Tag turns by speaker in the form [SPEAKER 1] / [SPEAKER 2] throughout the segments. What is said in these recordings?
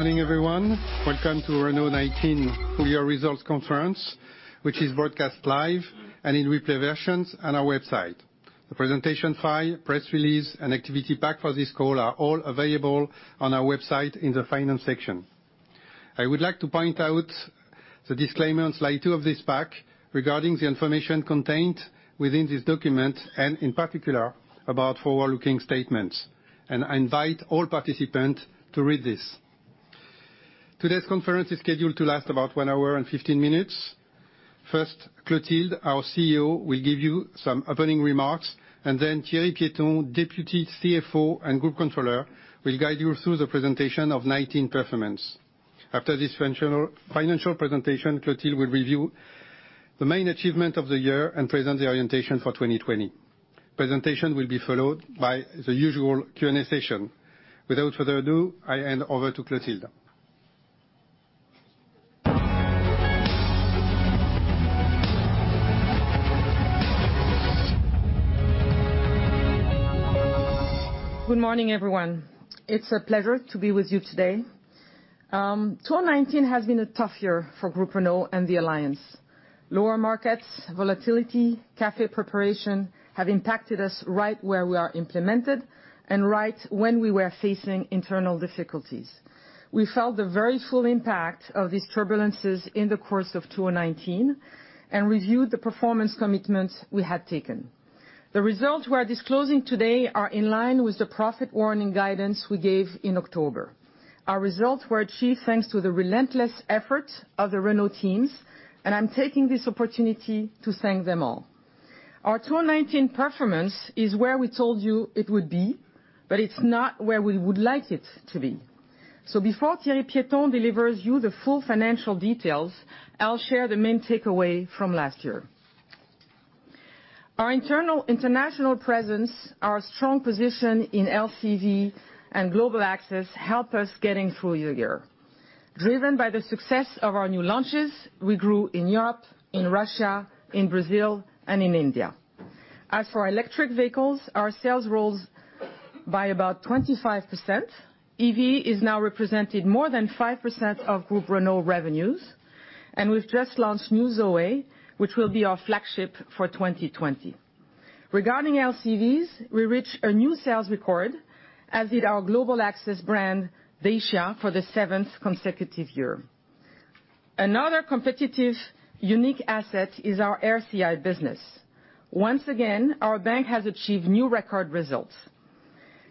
[SPEAKER 1] Good morning, everyone. Welcome to Renault 2019 Full Year Results Conference, which is broadcast live and in replay versions on our website. The presentation file, press release, and activity pack for this call are all available on our website in the finance section. I would like to point out the disclaimer on slide two of this pack regarding the information contained within this document, and in particular, about forward-looking statements, and I invite all participants to read this. Today's conference is scheduled to last about one hour and 15 minutes. First, Clotilde, our CEO, will give you some opening remarks, and then Thierry Piéton, Deputy CFO and Group Controller, will guide you through the presentation of 2019 performance. After this financial presentation, Clotilde will review the main achievement of the year and present the orientation for 2020. Presentation will be followed by the usual Q&A session. Without further ado, I hand over to Clotilde.
[SPEAKER 2] Good morning, everyone. It's a pleasure to be with you today. 2019 has been a tough year for Groupe Renault and the Alliance. Lower markets, volatility, CAFE preparation have impacted us right where we are implemented and right when we were facing internal difficulties. We felt the very full impact of these turbulences in the course of 2019 and reviewed the performance commitments we had taken. The results we are disclosing today are in line with the profit warning guidance we gave in October. Our results were achieved thanks to the relentless effort of the Renault teams, and I'm taking this opportunity to thank them all. Our 2019 performance is where we told you it would be, but it's not where we would like it to be. Before Thierry Piéton delivers you the full financial details, I'll share the main takeaway from last year. Our international presence, our strong position in LCV and global access help us getting through the year. Driven by the success of our new launches, we grew in Europe, in Russia, in Brazil, and in India. As for electric vehicles, our sales rose by about 25%. EV is now represented more than 5% of Groupe Renault revenues, and we've just launched new ZOE, which will be our flagship for 2020. Regarding LCVs, we reach a new sales record, as did our global access brand, Dacia, for the seventh consecutive year. Another competitive unique asset is our RCI business. Once again, our bank has achieved new record results.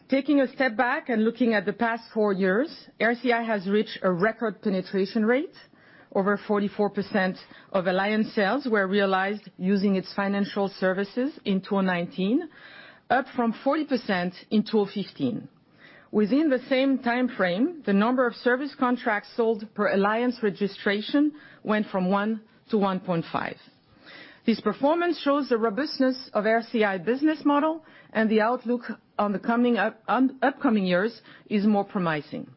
[SPEAKER 2] Taking a step back and looking at the past four years, RCI has reached a record penetration rate. Over 44% of Alliance sales were realized using its financial services in 2019, up from 40% in 2015. Within the same time frame, the number of service contracts sold per Alliance registration went from one to 1.5. This performance shows the robustness of RCI business model and the outlook on the upcoming years is more promising.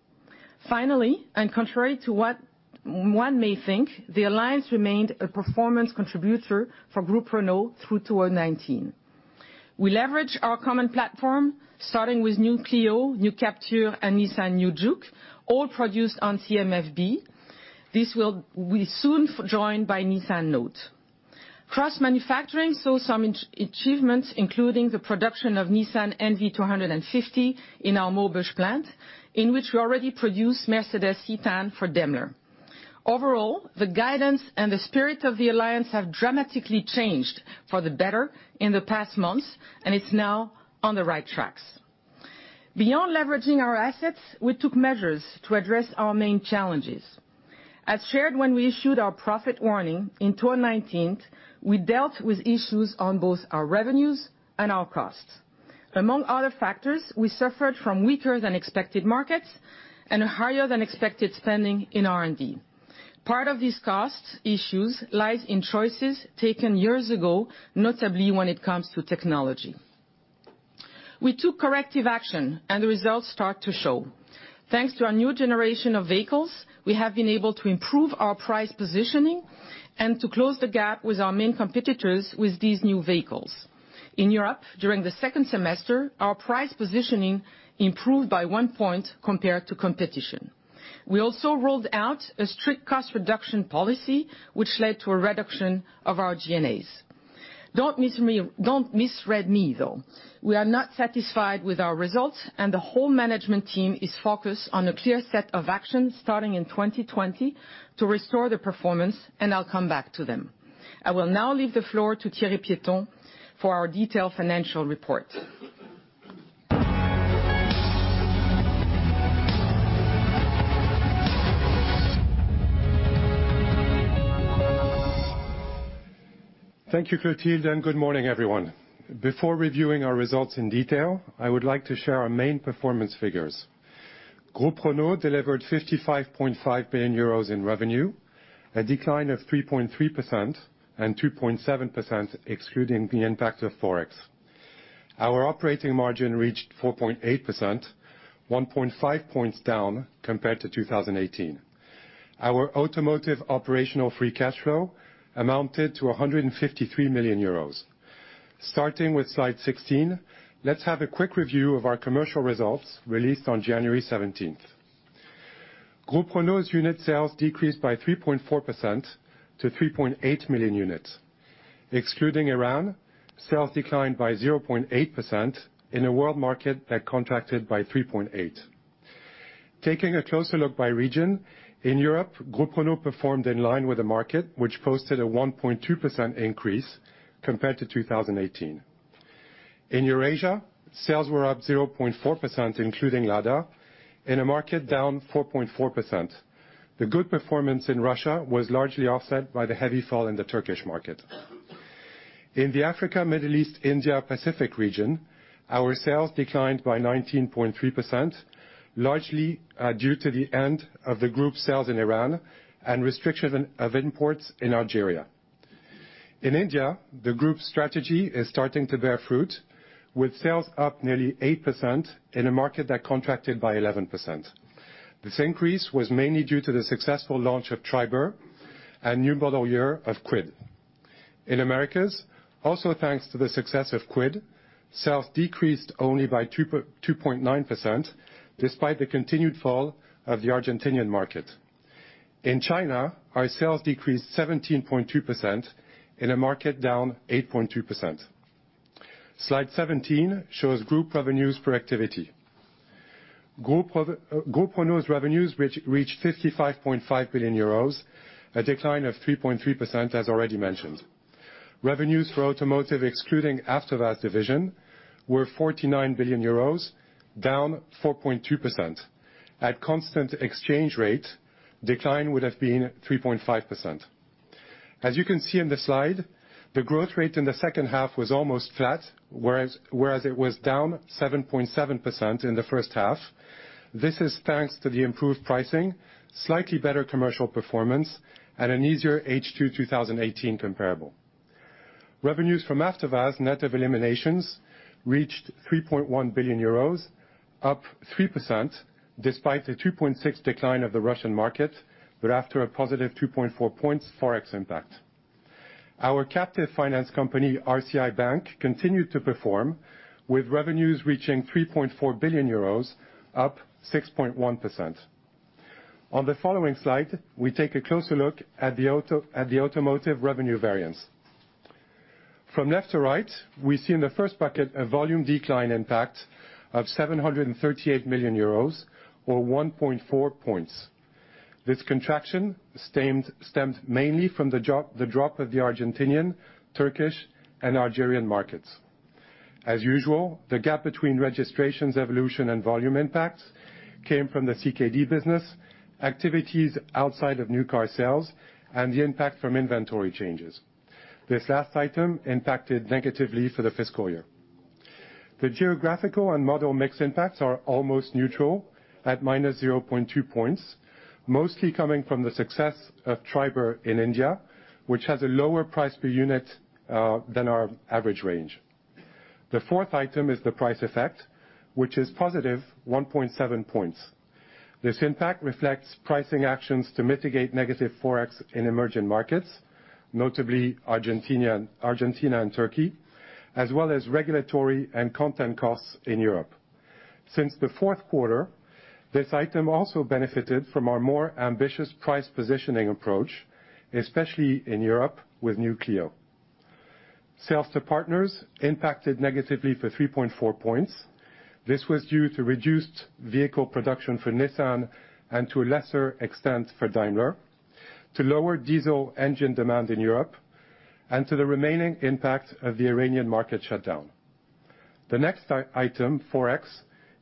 [SPEAKER 2] Finally, contrary to what one may think, the Alliance remained a performance contributor for Groupe Renault through 2019. We leverage our common platform, starting with New Clio, New Captur, and Nissan New Juke, all produced on CMF-B. This will be soon joined by Nissan Note. Cross manufacturing saw some achievements, including the production of Nissan NV250 in our Maubeuge plant, in which we already produce Mercedes Citan for Daimler. Overall, the guidance and the spirit of the Alliance have dramatically changed for the better in the past months, it's now on the right tracks. Beyond leveraging our assets, we took measures to address our main challenges. As shared when we issued our profit warning in 2019, we dealt with issues on both our revenues and our costs. Among other factors, we suffered from weaker than expected markets and a higher than expected spending in R&D. Part of these cost issues lies in choices taken years ago, notably when it comes to technology. We took corrective action and the results start to show. Thanks to our new generation of vehicles, we have been able to improve our price positioning and to close the gap with our main competitors with these new vehicles. In Europe, during the second semester, our price positioning improved by one point compared to competition. We also rolled out a strict cost reduction policy, which led to a reduction of our G&A. Don't misread me, though. We are not satisfied with our results, and the whole management team is focused on a clear set of actions starting in 2020 to restore the performance, and I'll come back to them. I will now leave the floor to Thierry Piéton for our detailed financial report.
[SPEAKER 3] Thank you, Clotilde. Good morning, everyone. Before reviewing our results in detail, I would like to share our main performance figures. Groupe Renault delivered 55.5 billion euros in revenue, a decline of 3.3% and 2.7% excluding the impact of Forex. Our operating margin reached 4.8%, 1.5 points down compared to 2018. Our automotive operational free cash flow amounted to 153 million euros. Starting with slide 16, let's have a quick review of our commercial results released on January 17th. Groupe Renault's unit sales decreased by 3.4% to 3.8 million units. Excluding Iran, sales declined by 0.8% in a world market that contracted by 3.8%. Taking a closer look by region, in Europe, Groupe Renault performed in line with the market, which posted a 1.2% increase compared to 2018. In Eurasia, sales were up 0.4%, including Lada, in a market down 4.4%. The good performance in Russia was largely offset by the heavy fall in the Turkish market. In the Africa, Middle East, India, Pacific region, our sales declined by 19.3%, largely due to the end of the Group sales in Iran and restriction of imports in Algeria. In India, the Group's strategy is starting to bear fruit, with sales up nearly 8% in a market that contracted by 11%. This increase was mainly due to the successful launch of Triber and new model year of Kwid. In Americas, also thanks to the success of Kwid, sales decreased only by 2.9%, despite the continued fall of the Argentinian market. In China, our sales decreased 17.2% in a market down 8.2%. Slide 17 shows Group revenues per activity. Groupe Renault's revenues reached 55.5 billion euros, a decline of 3.3% as already mentioned. Revenues for automotive, excluding After Sales Division, were 49 billion euros, down 4.2%. At constant exchange rate, decline would have been 3.5%. As you can see in the slide, the growth rate in the second half was almost flat, whereas it was down 7.7% in the first half. This is thanks to the improved pricing, slightly better commercial performance, and an easier H2 2018 comparable. Revenues from After Sales, net of eliminations, reached 3.1 billion euros, up 3%, despite a 2.6% decline of the Russian market, but after a positive 2.4 points Forex impact. Our captive finance company, RCI Bank, continued to perform, with revenues reaching 3.4 billion euros, up 6.1%. On the following slide, we take a closer look at the automotive revenue variance. From left to right, we see in the first bucket a volume decline impact of 738 million euros or 1.4 points. This contraction stemmed mainly from the drop of the Argentinian, Turkish, and Algerian markets. As usual, the gap between registrations evolution and volume impacts came from the CKD business, activities outside of new car sales, and the impact from inventory changes. This last item impacted negatively for the fiscal year. The geographical and model mix impacts are almost neutral, at -0.2 points, mostly coming from the success of Triber in India, which has a lower price per unit than our average range. The fourth item is the price effect, which is positive 1.7 points. This impact reflects pricing actions to mitigate negative Forex in emerging markets, notably Argentina and Turkey, as well as regulatory and content costs in Europe. Since the fourth quarter, this item also benefited from our more ambitious price positioning approach, especially in Europe with new Clio. Sales to partners impacted negatively for 3.4 points. This was due to reduced vehicle production for Nissan and, to a lesser extent, for Daimler, to lower diesel engine demand in Europe, and to the remaining impact of the Iranian market shutdown. The next item, Forex,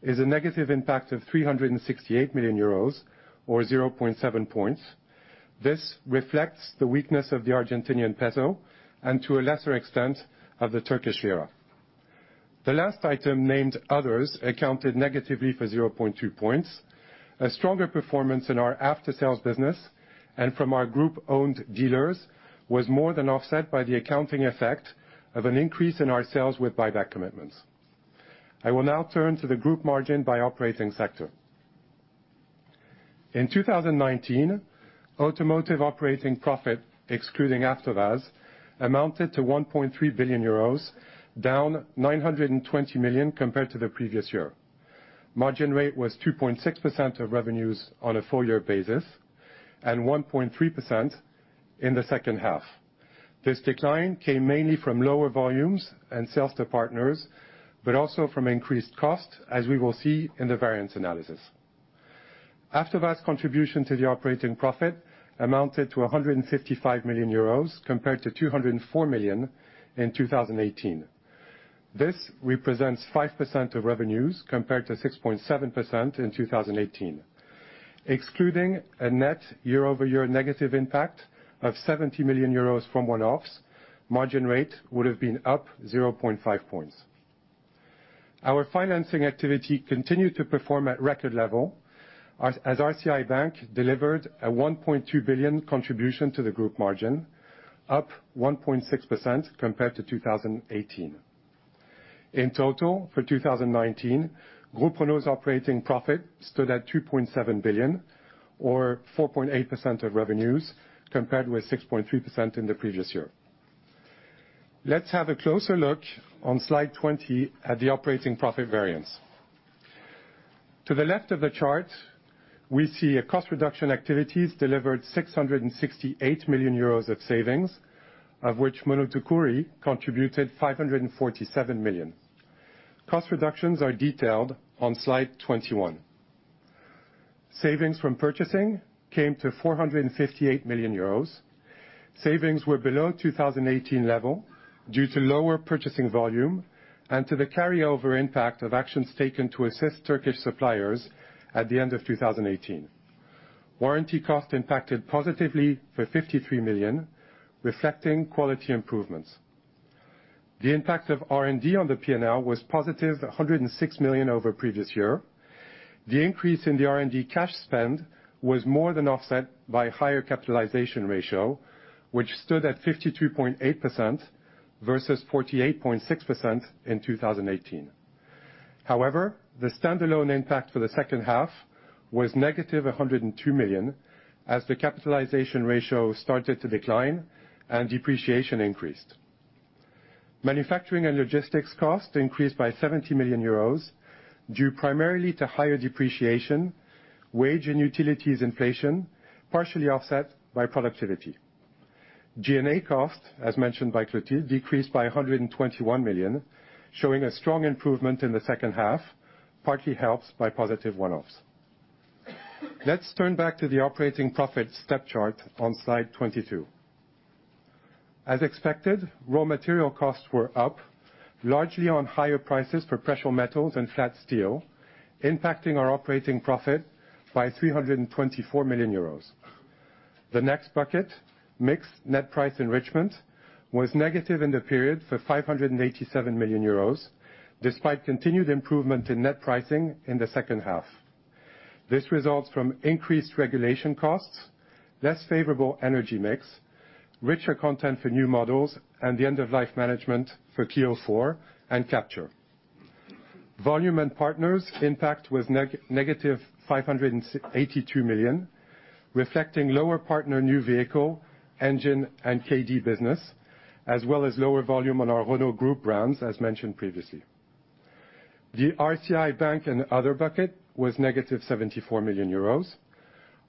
[SPEAKER 3] is a negative impact of 368 million euros, or 0.7 points. This reflects the weakness of the Argentinian peso and, to a lesser extent, of the Turkish lira. The last item, named Others, accounted negatively for 0.2 points. A stronger performance in our after-sales business and from our Group-owned dealers was more than offset by the accounting effect of an increase in our sales with buyback commitments. I will now turn to the Group margin by operating sector. In 2019, automotive operating profit, excluding After Sales, amounted to 1.3 billion euros, down 920 million compared to the previous year. Margin rate was 2.6% of revenues on a full year basis, and 1.3% in the second half. This decline came mainly from lower volumes and sales to partners, but also from increased cost, as we will see in the variance analysis. After Sales contribution to the operating profit amounted to 155 million euros compared to 204 million in 2018. This represents 5% of revenues compared to 6.7% in 2018. Excluding a net year-over-year negative impact of 70 million euros from one-offs, margin rate would have been up 0.5 points. Our financing activity continued to perform at record level as RCI Bank delivered a 1.2 billion contribution to the Group margin, up 1.6% compared to 2018. In total, for 2019, Groupe Renault's operating profit stood at 2.7 billion or 4.8% of revenues, compared with 6.3% in the previous year. Let's have a closer look on slide 20 at the operating profit variance. To the left of the chart, we see a cost reduction activities delivered 668 million euros of savings, of which Monozukuri contributed 547 million. Cost reductions are detailed on Slide 21. Savings from purchasing came to 458 million euros. Savings were below 2018 level due to lower purchasing volume and to the carryover impact of actions taken to assist Turkish suppliers at the end of 2018. Warranty cost impacted positively for 53 million, reflecting quality improvements. The impact of R&D on the P&L was positive, 106 million over previous year. The increase in the R&D cash spend was more than offset by higher capitalization ratio, which stood at 52.8% versus 48.6% in 2018. The standalone impact for the second half was -102 million, as the capitalization ratio started to decline and depreciation increased. Manufacturing and logistics costs increased by 70 million euros due primarily to higher depreciation, wage and utilities inflation, partially offset by productivity. G&A cost, as mentioned by Clotilde, decreased by 121 million, showing a strong improvement in the second half, partly helped by positive one-offs. Let's turn back to the operating profit step chart on slide 22. As expected, raw material costs were up, largely on higher prices for precious metals and flat steel, impacting our operating profit by 324 million euros. The next bucket, mix net price enrichment, was negative in the period for 587 million euros, despite continued improvement in net pricing in the second half. This results from increased regulation costs, less favorable energy mix, richer content for new models, and the end-of-life management for Clio 4 and Captur. Volume and partners impact was negative 582 million, reflecting lower partner new vehicle, engine, and KD business, as well as lower volume on our Renault Group brands, as mentioned previously. The RCI Bank and other bucket was negative 74 million euros.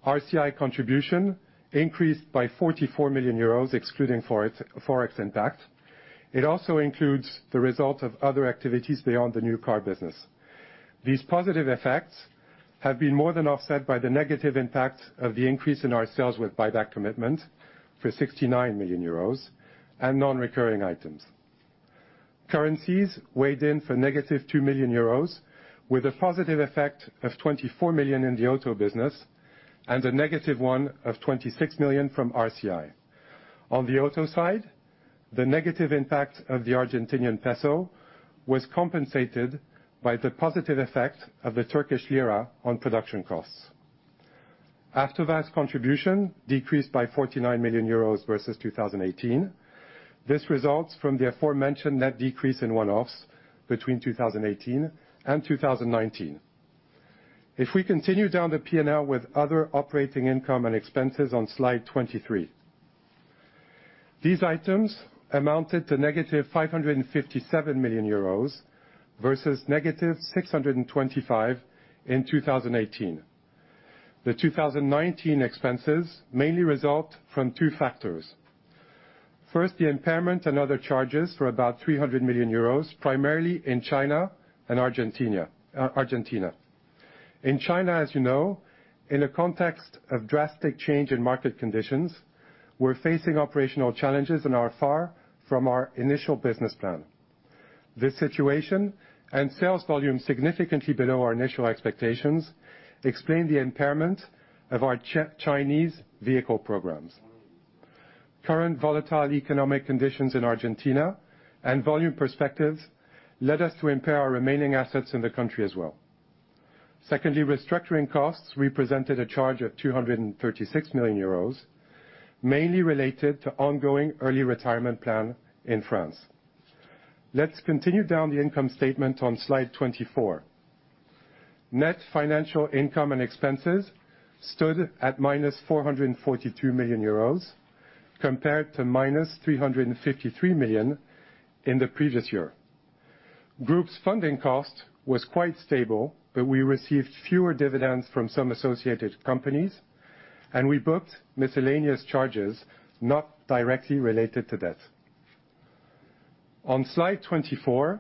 [SPEAKER 3] RCI contribution increased by 44 million euros, excluding Forex impact. It also includes the result of other activities beyond the new car business. These positive effects have been more than offset by the negative impact of the increase in our sales with buyback commitment for 69 million euros and non-recurring items. Currencies weighed in for negative 2 million euros, with a positive effect of 24 million in the auto business and a negative one of 26 million from RCI. On the auto side, the negative impact of the Argentinian peso was compensated by the positive effect of the Turkish lira on production costs. AvtoVAZ contribution decreased by 49 million euros versus 2018. This results from the aforementioned net decrease in one-offs between 2018 and 2019. If we continue down the P&L with other operating income and expenses on slide 23, these items amounted to negative 557 million euros versus negative 625 in 2018. The 2019 expenses mainly result from two factors. First, the impairment and other charges were about 300 million euros, primarily in China and Argentina. In China, as you know, in the context of drastic change in market conditions, we're facing operational challenges and are far from our initial business plan. This situation and sales volume significantly below our initial expectations explain the impairment of our Chinese vehicle programs. Current volatile economic conditions in Argentina and volume perspectives led us to impair our remaining assets in the country as well. Secondly, restructuring costs represented a charge of 236 million euros, mainly related to ongoing early retirement plan in France. Let's continue down the income statement on slide 24. Net financial income and expenses stood at minus 442 million euros compared to minus 353 million in the previous year. Group's funding cost was quite stable, but we received fewer dividends from some associated companies, and we booked miscellaneous charges not directly related to debt. On slide 24,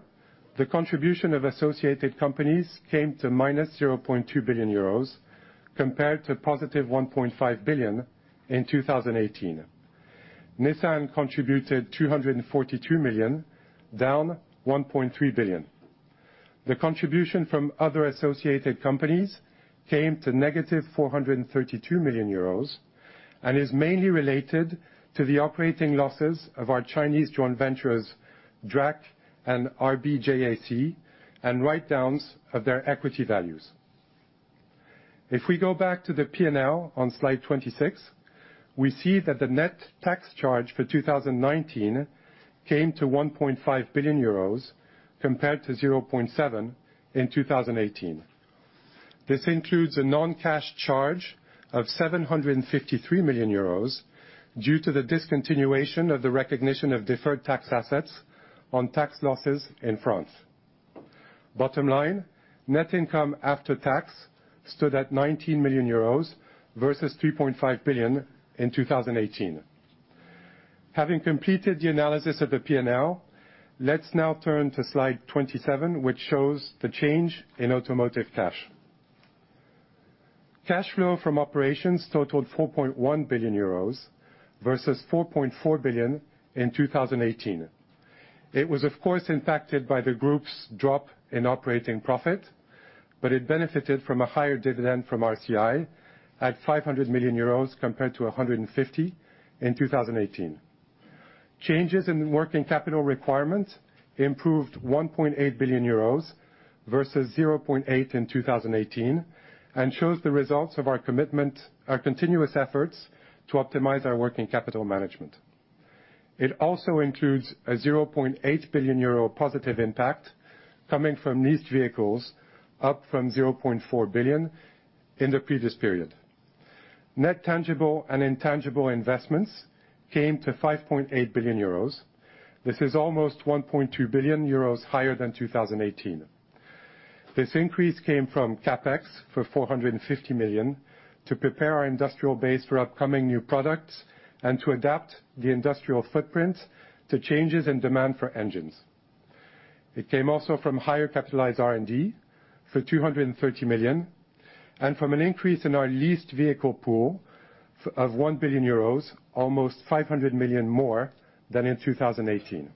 [SPEAKER 3] the contribution of associated companies came to minus 0.2 billion euros compared to positive 1.5 billion in 2018. Nissan contributed 242 million, down 1.3 billion. The contribution from other associated companies came to negative 432 million euros and is mainly related to the operating losses of our Chinese joint ventures, DRAC and RBJAC, and write downs of their equity values. If we go back to the P&L on slide 26, we see that the net tax charge for 2019 came to 1.5 billion euros compared to 0.7 billion in 2018. This includes a non-cash charge of 753 million euros due to the discontinuation of the recognition of deferred tax assets on tax losses in France. Bottom line, net income after tax stood at 19 million euros versus 3.5 billion in 2018. Having completed the analysis of the P&L, let's now turn to slide 27, which shows the change in automotive cash. Cash flow from operations totaled 4.1 billion euros versus 4.4 billion in 2018. It was, of course, impacted by the group's drop in operating profit, but it benefited from a higher dividend from RCI at 500 million euros compared to 150 million in 2018. Changes in working capital requirements improved 1.8 billion euros versus 0.8 billion in 2018, and shows the results of our continuous efforts to optimize our working capital management. It also includes a 0.8 billion euro positive impact coming from leased vehicles, up from 0.4 billion in the previous period. Net tangible and intangible investments came to 5.8 billion euros. This is almost 1.2 billion euros higher than 2018. This increase came from CapEx for 450 million to prepare our industrial base for upcoming new products and to adapt the industrial footprint to changes in demand for engines. It came also from higher capitalized R&D for 230 million and from an increase in our leased vehicle pool of 1 billion euros, almost 500 million more than in 2018.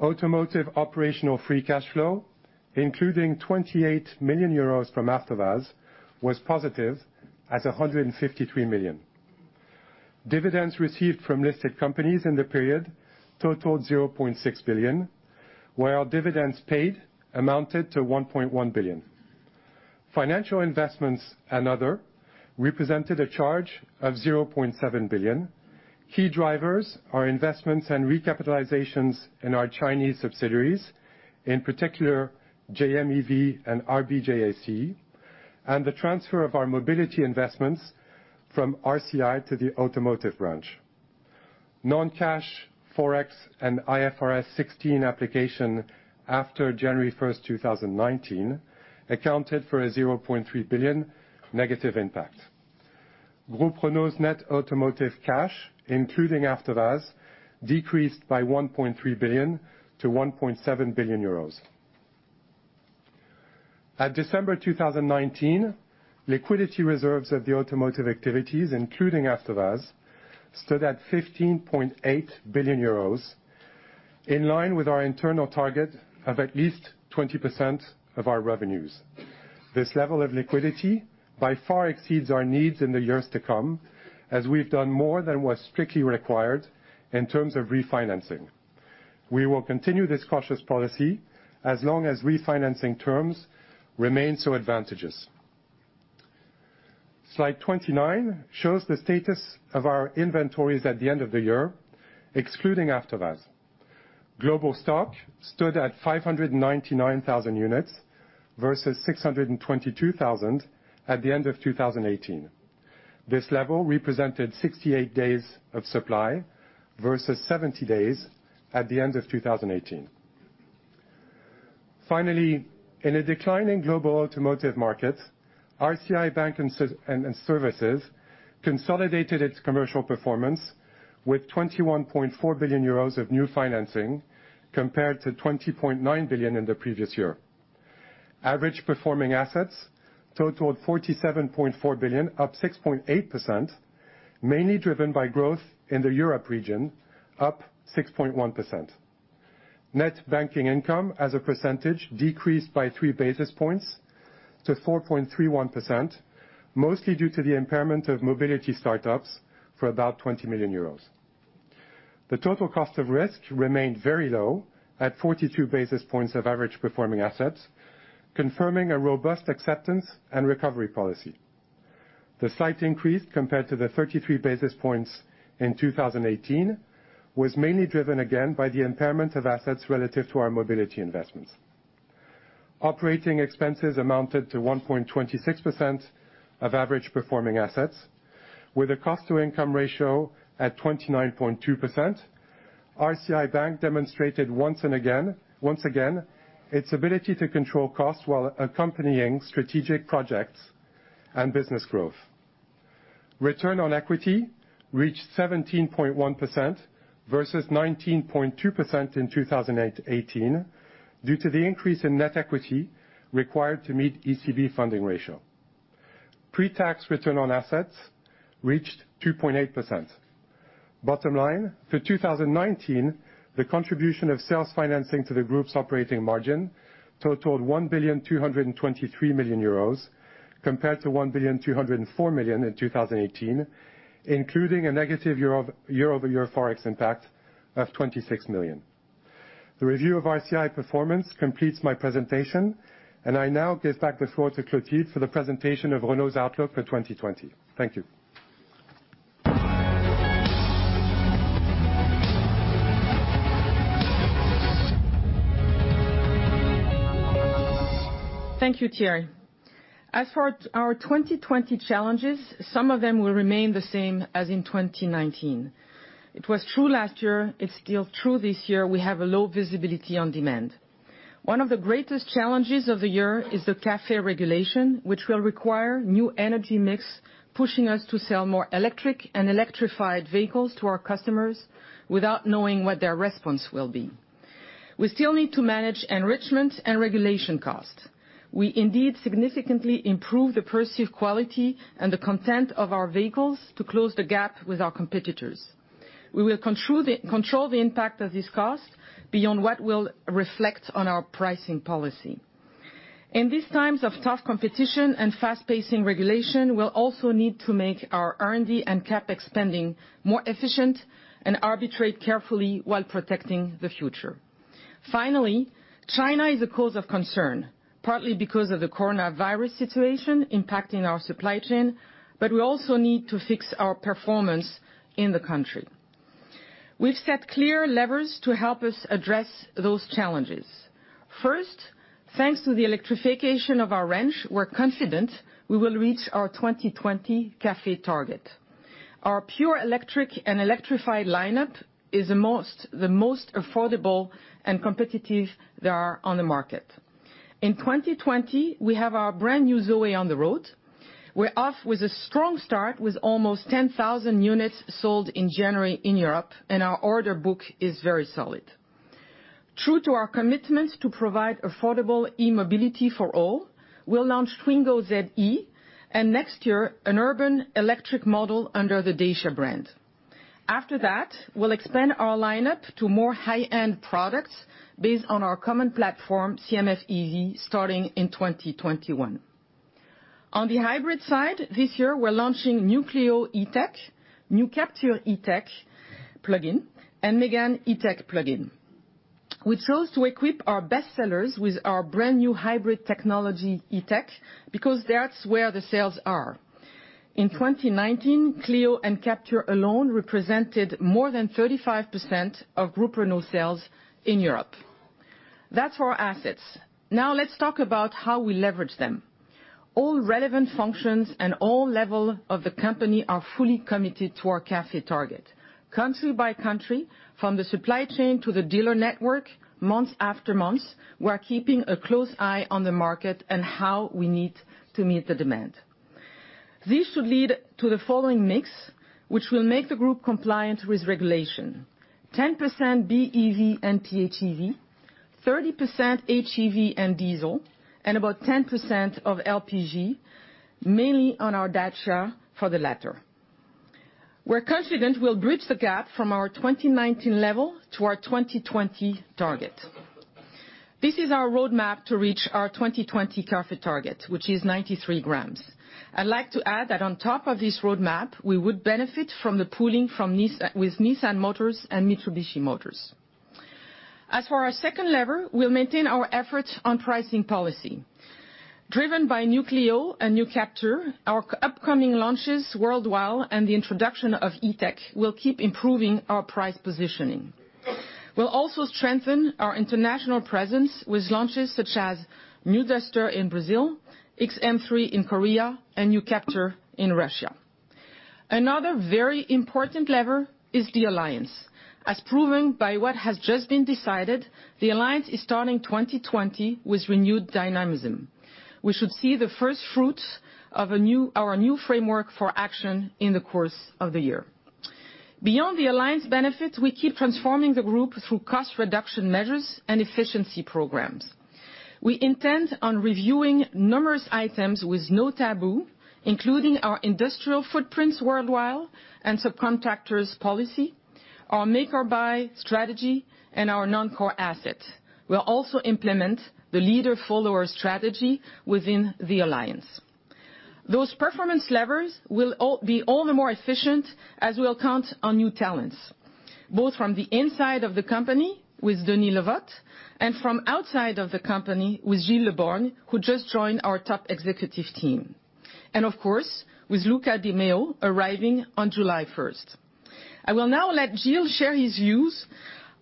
[SPEAKER 3] Automotive operational free cash flow, including 28 million euros from AvtoVAZ, was positive at 153 million. Dividends received from listed companies in the period totaled 0.6 billion, while dividends paid amounted to 1.1 billion. Financial investments and other represented a charge of 0.7 billion. Key drivers are investments and recapitalizations in our Chinese subsidiaries, in particular JMEV and RBJAC, and the transfer of our mobility investments from RCI to the automotive branch. Non-cash Forex and IFRS 16 application after January 1st, 2019, accounted for a 0.3 billion negative impact. Groupe Renault's net automotive cash, including AvtoVAZ, decreased by 1.3 billion to 1.7 billion euros. At December 2019, liquidity reserves of the automotive activities, including AvtoVAZ, stood at 15.8 billion euros, in line with our internal target of at least 20% of our revenues. This level of liquidity by far exceeds our needs in the years to come, as we've done more than was strictly required in terms of refinancing. We will continue this cautious policy as long as refinancing terms remain so advantageous. Slide 29 shows the status of our inventories at the end of the year, excluding AvtoVAZ. Global stock stood at 599,000 units versus 622,000 at the end of 2018. This level represented 68 days of supply versus 70 days at the end of 2018. Finally, in a declining global automotive market, RCI Bank and Services consolidated its commercial performance with 21.4 billion euros of new financing compared to 20.9 billion in the previous year. Average performing assets totaled 47.4 billion, up 6.8%, mainly driven by growth in the Europe region, up 6.1%. Net banking income as a percentage decreased by three basis points to 4.31%, mostly due to the impairment of mobility startups for about 20 million euros. The total cost of risk remained very low at 42 basis points of average performing assets, confirming a robust acceptance and recovery policy. The slight increase compared to the 33 basis points in 2018 was mainly driven, again, by the impairment of assets relative to our mobility investments. Operating expenses amounted to 1.26% of average performing assets with a cost-to-income ratio at 29.2%. RCI Bank demonstrated, once again, its ability to control costs while accompanying strategic projects and business growth. Return on equity reached 17.1% versus 19.2% in 2018 due to the increase in net equity required to meet ECB funding ratio. Pre-tax return on assets reached 2.8%. Bottom line, for 2019, the contribution of sales financing to the group's operating margin totaled 1,223,000,000 euros compared to 1,204,000,000 in 2018, including a negative year-over-year Forex impact of 26 million. The review of RCI performance completes my presentation, and I now give back the floor to Clotilde for the presentation of Renault's outlook for 2020. Thank you.
[SPEAKER 2] Thank you, Thierry. As for our 2020 challenges, some of them will remain the same as in 2019. It was true last year, it's still true this year, we have a low visibility on demand. One of the greatest challenges of the year is the CAFE regulation, which will require new energy mix, pushing us to sell more electric and electrified vehicles to our customers without knowing what their response will be. We still need to manage enrichment and regulation costs. We indeed significantly improve the perceived quality and the content of our vehicles to close the gap with our competitors. We will control the impact of this cost beyond what will reflect on our pricing policy. In these times of tough competition and fast-pacing regulation, we'll also need to make our R&D and CapEx spending more efficient, and arbitrate carefully while protecting the future. Finally, China is a cause of concern, partly because of the coronavirus situation impacting our supply chain, but we also need to fix our performance in the country. We've set clear levers to help us address those challenges. First, thanks to the electrification of our range, we're confident we will reach our 2020 CAFE target. Our pure electric and electrified lineup is the most affordable and competitive there are on the market. In 2020, we have our brand new ZOE on the road. We're off with a strong start with almost 10,000 units sold in January in Europe, and our order book is very solid. True to our commitments to provide affordable e-mobility for all, we'll launch Twingo ZE, and next year, an urban electric model under the Dacia brand. After that, we'll expand our lineup to more high-end products based on our common platform, CMF-EV, starting in 2021. On the hybrid side, this year, we're launching new Clio E-Tech, new Captur E-Tech plugin, and Mégane E-Tech plugin. We chose to equip our best sellers with our brand new hybrid technology, E-Tech, because that's where the sales are. In 2019, Clio and Captur alone represented more than 35% of Groupe Renault sales in Europe. That's for our assets. Now let's talk about how we leverage them. All relevant functions and all level of the company are fully committed to our CAFE target. Country by country, from the supply chain to the dealer network, month after month, we are keeping a close eye on the market and how we need to meet the demand. This should lead to the following mix, which will make the group compliant with regulation. 10% BEV and PHEV, 30% HEV and diesel, and about 10% of LPG, mainly on our Dacia for the latter. We're confident we'll bridge the gap from our 2019 level to our 2020 target. This is our roadmap to reach our 2020 CAFE target, which is 93 g. I'd like to add that on top of this roadmap, we would benefit from the pooling with Nissan Motors and Mitsubishi Motors. As for our second lever, we'll maintain our efforts on pricing policy. Driven by new Clio and new Captur, our upcoming launches worldwide, and the introduction of E-Tech will keep improving our price positioning. We'll also strengthen our international presence with launches such as new Duster in Brazil, XM3 in Korea, and new Captur in Russia. Another very important lever is the Alliance. As proven by what has just been decided, the Alliance is starting 2020 with renewed dynamism. We should see the first fruits of our new framework for action in the course of the year. Beyond the Alliance benefits, we keep transforming the group through cost reduction measures and efficiency programs. We intend on reviewing numerous items with no taboo, including our industrial footprints worldwide and subcontractors policy, our make or buy strategy, and our non-core assets. We'll also implement the leader-follower strategy within the Alliance. Those performance levers will be all the more efficient as we'll count on new talents, both from the inside of the company with Denis Le Vot, and from outside of the company with Gilles Le Borgne, who just joined our top executive team. Of course, with Luca de Meo arriving on July 1st. I will now let Gilles share his views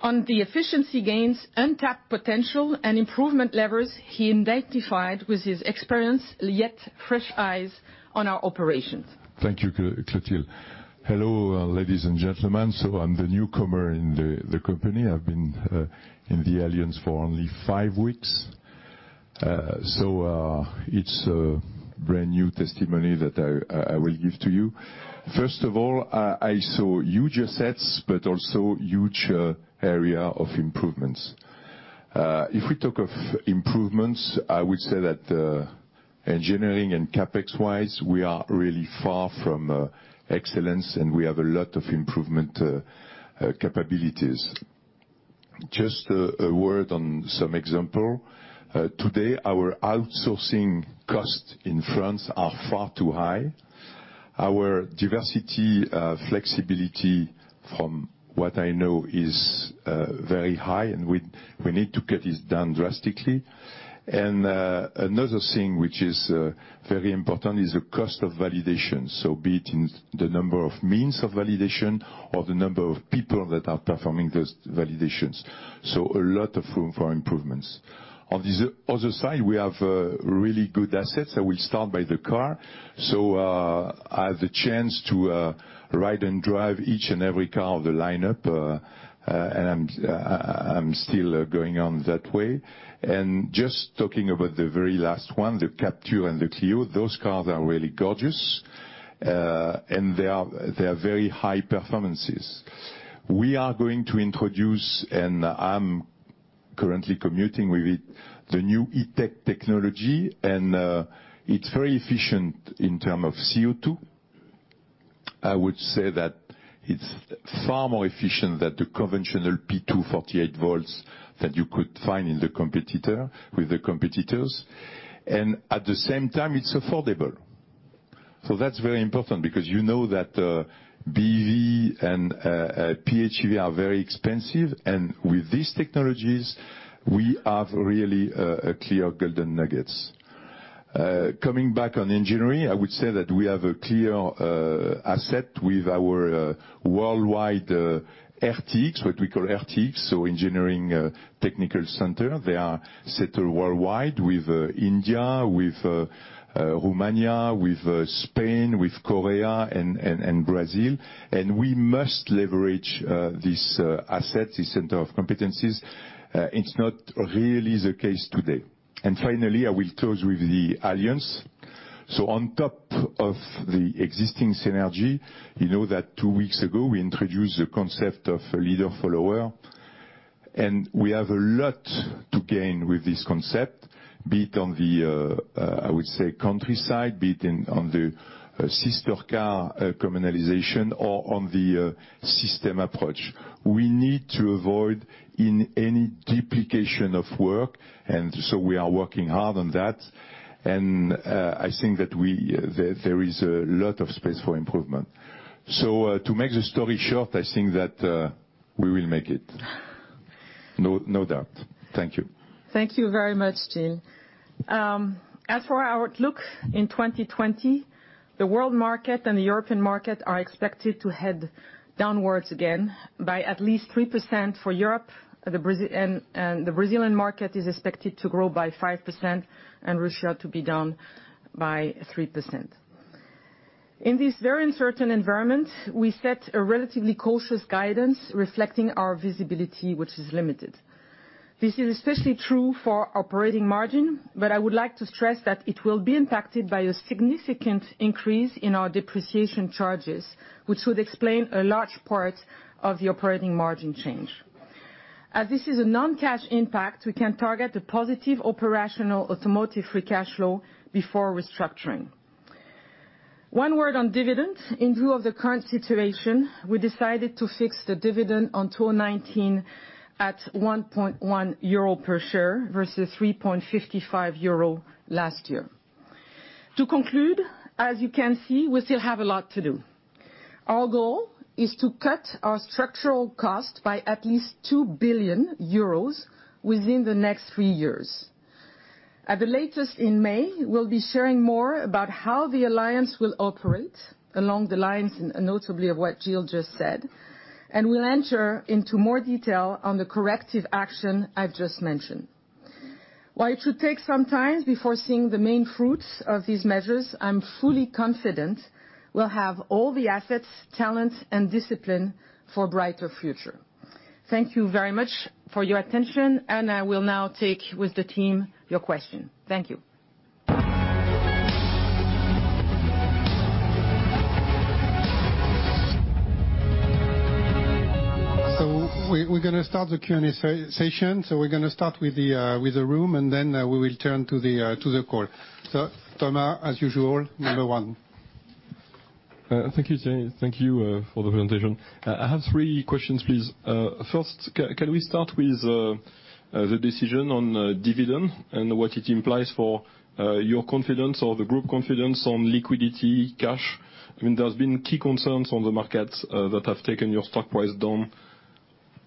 [SPEAKER 2] on the efficiency gains, untapped potential, and improvement levers he identified with his experienced, yet fresh eyes on our operations.
[SPEAKER 4] Thank you, Clotilde. Hello, ladies and gentlemen. I'm the newcomer in the company. I've been in the Alliance for only five weeks, it's a brand new testimony that I will give to you. First of all, I saw huge assets, also huge area of improvements. If we talk of improvements, I would say that engineering and CapEx-wise, we are really far from excellence, we have a lot of improvement capabilities. Just a word on some example. Today, our outsourcing costs in France are far too high. Our diversity, flexibility from what I know is very high, we need to get this down drastically. Another thing which is very important is the cost of validation. Be it in the number of means of validation or the number of people that are performing those validations. A lot of room for improvements. On this other side, we have really good assets. I will start by the car. I have the chance to ride and drive each and every car of the lineup, and I'm still going on that way. Just talking about the very last one, the Captur and the Clio, those cars are really gorgeous. They have very high performances. We are going to introduce, and I'm currently commuting with it, the new E-Tech technology. It's very efficient in terms of CO2. I would say that it's far more efficient than the conventional P2 48-volt that you could find with the competitors. At the same time, it's affordable. That's very important because you know that BEV and PHEV are very expensive, and with these technologies, we have really clear golden nuggets. Coming back on engineering, I would say that we have a clear asset with our worldwide RTX, what we call RTX, so engineering technical center. They are settled worldwide with India, with Romania, with Spain, with Korea, and Brazil. We must leverage this asset, this center of competencies. It's not really the case today. Finally, I will close with the Alliance. On top of the existing synergy, you know that two weeks ago, we introduced the concept of leader-follower. We have a lot to gain with this concept, be it on the, I would say, country side, be it on the sister car communalization, or on the system approach. We need to avoid any duplication of work, and so we are working hard on that. I think that there is a lot of space for improvement. To make the story short, I think that we will make it. No doubt. Thank you.
[SPEAKER 2] Thank you very much, Gilles. For our outlook in 2020, the world market and the European market are expected to head downwards again by at least 3% for Europe, and the Brazilian market is expected to grow by 5%, and Russia to be down by 3%. In this very uncertain environment, we set a relatively cautious guidance reflecting our visibility, which is limited. This is especially true for operating margin, I would like to stress that it will be impacted by a significant increase in our depreciation charges, which would explain a large part of the operating margin change. This is a non-cash impact, we can target a positive operational automotive free cash flow before restructuring. One word on dividend. In view of the current situation, we decided to fix the dividend on 2019 at 1.1 euro per share versus 3.55 euro last year. To conclude, as you can see, we still have a lot to do. Our goal is to cut our structural cost by at least 2 billion euros within the next three years. At the latest, in May, we'll be sharing more about how the Alliance will operate along the lines, notably of what Gilles just said, and we'll enter into more detail on the corrective action I've just mentioned. While it should take some time before seeing the main fruits of these measures, I'm fully confident we'll have all the assets, talent, and discipline for a brighter future. Thank you very much for your attention, and I will now take, with the team, your question. Thank you.
[SPEAKER 1] We're going to start the Q&A session. We're going to start with the room, and then we will turn to the call. Thomas, as usual, number one.
[SPEAKER 5] Thank you, Thierry. Thank you for the presentation. I have three questions, please. First, can we start with the decision on dividend and what it implies for your confidence or the group confidence on liquidity, cash? There's been key concerns on the markets that have taken your stock price down,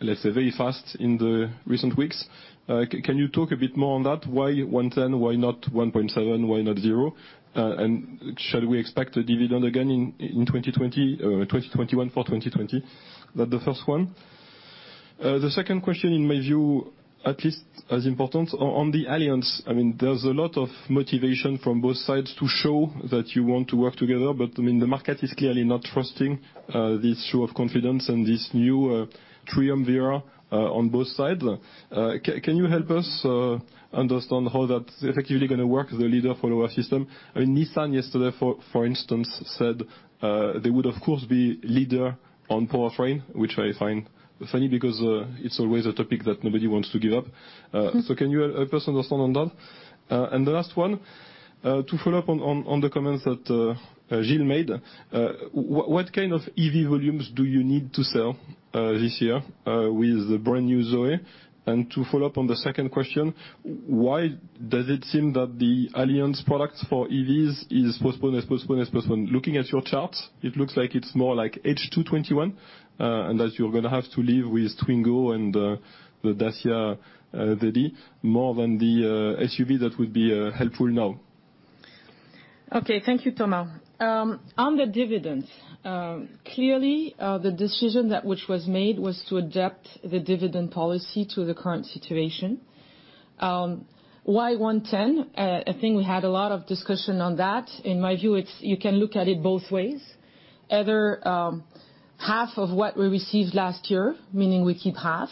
[SPEAKER 5] let's say, very fast in the recent weeks. Can you talk a bit more on that? Why 1.10? Why not 1.7? Why not zero? Shall we expect a dividend again in 2021 for 2020? That the first one. The second question in my view, at least as important, on the Alliance. There's a lot of motivation from both sides to show that you want to work together, but the market is clearly not trusting this show of confidence and this new triumvirate on both sides. Can you help us understand how that's effectively going to work, the leader-follower system? Nissan yesterday, for instance, said they would of course be leader on powertrain, which I find funny because it's always a topic that nobody wants to give up. Can you help us understand on that? The last one, to follow up on the comments that Gilles made, what kind of EV volumes do you need to sell this year, with the brand new ZOE? To follow up on the second question, why does it seem that the Alliance product for EVs is postponed? Looking at your charts, it looks like it's more like H2 2021, and that you're going to have to live with Twingo and the Dacia Duster more than the SUV that would be helpful now.
[SPEAKER 2] Okay, thank you, Thomas. On the dividends, clearly, the decision that was made was to adapt the dividend policy to the current situation. Why 1.10? I think we had a lot of discussion on that. In my view, you can look at it both ways. Either half of what we received last year, meaning we keep half,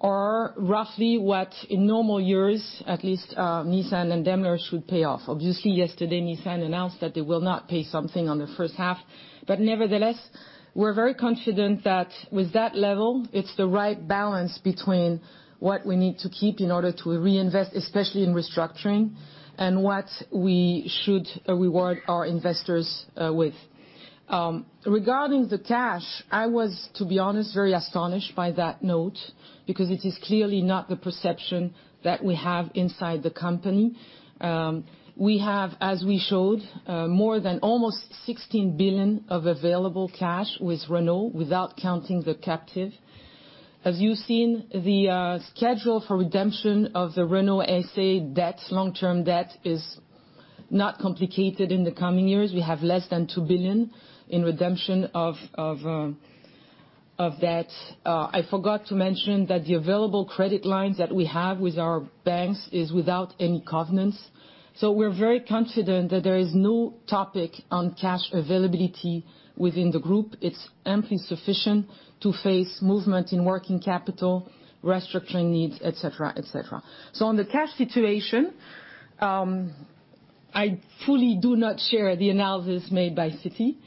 [SPEAKER 2] or roughly what in normal years, at least Nissan and Daimler should pay off. Obviously, yesterday, Nissan announced that they will not pay something on the first half. Nevertheless, we're very confident that with that level, it's the right balance between what we need to keep in order to reinvest, especially in restructuring, and what we should reward our investors with. Regarding the cash, I was, to be honest, very astonished by that note, because it is clearly not the perception that we have inside the company. We have, as we showed, more than almost 16 billion of available cash with Renault, without counting the captive. As you've seen, the schedule for redemption of the Renault SA debts, long-term debt, is not complicated in the coming years. We have less than 2 billion in redemption of that. I forgot to mention that the available credit lines that we have with our banks is without any covenants. We're very confident that there is no topic on cash availability within the group. It's amply sufficient to face movement in working capital, restructuring needs, et cetera. On the cash situation, I fully do not share the analysis made by Citi.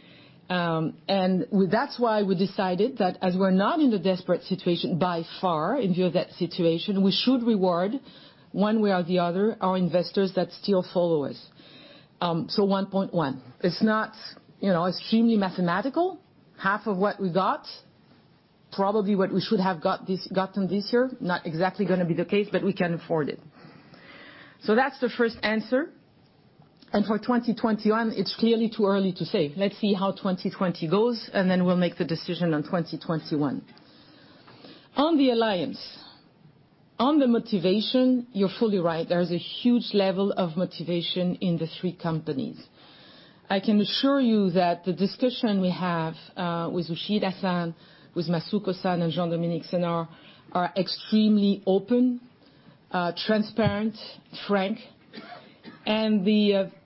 [SPEAKER 2] That's why we decided that as we're not in a desperate situation by far in view of that situation, we should reward one way or the other our investors that still follow us. So, 1.1. It's not extremely mathematical. Half of what we got, probably what we should have gotten this year, not exactly going to be the case, but we can afford it. So that's the first answer. For 2021, it's clearly too early to say. Let's see how 2020 goes, and then we'll make the decision on 2021. On the Alliance, on the motivation, you're fully right. There is a huge level of motivation in the three companies. I can assure you that the discussion we have with Uchida-san, with Masuko-san, and Jean-Dominique Senard are extremely open, transparent, frank.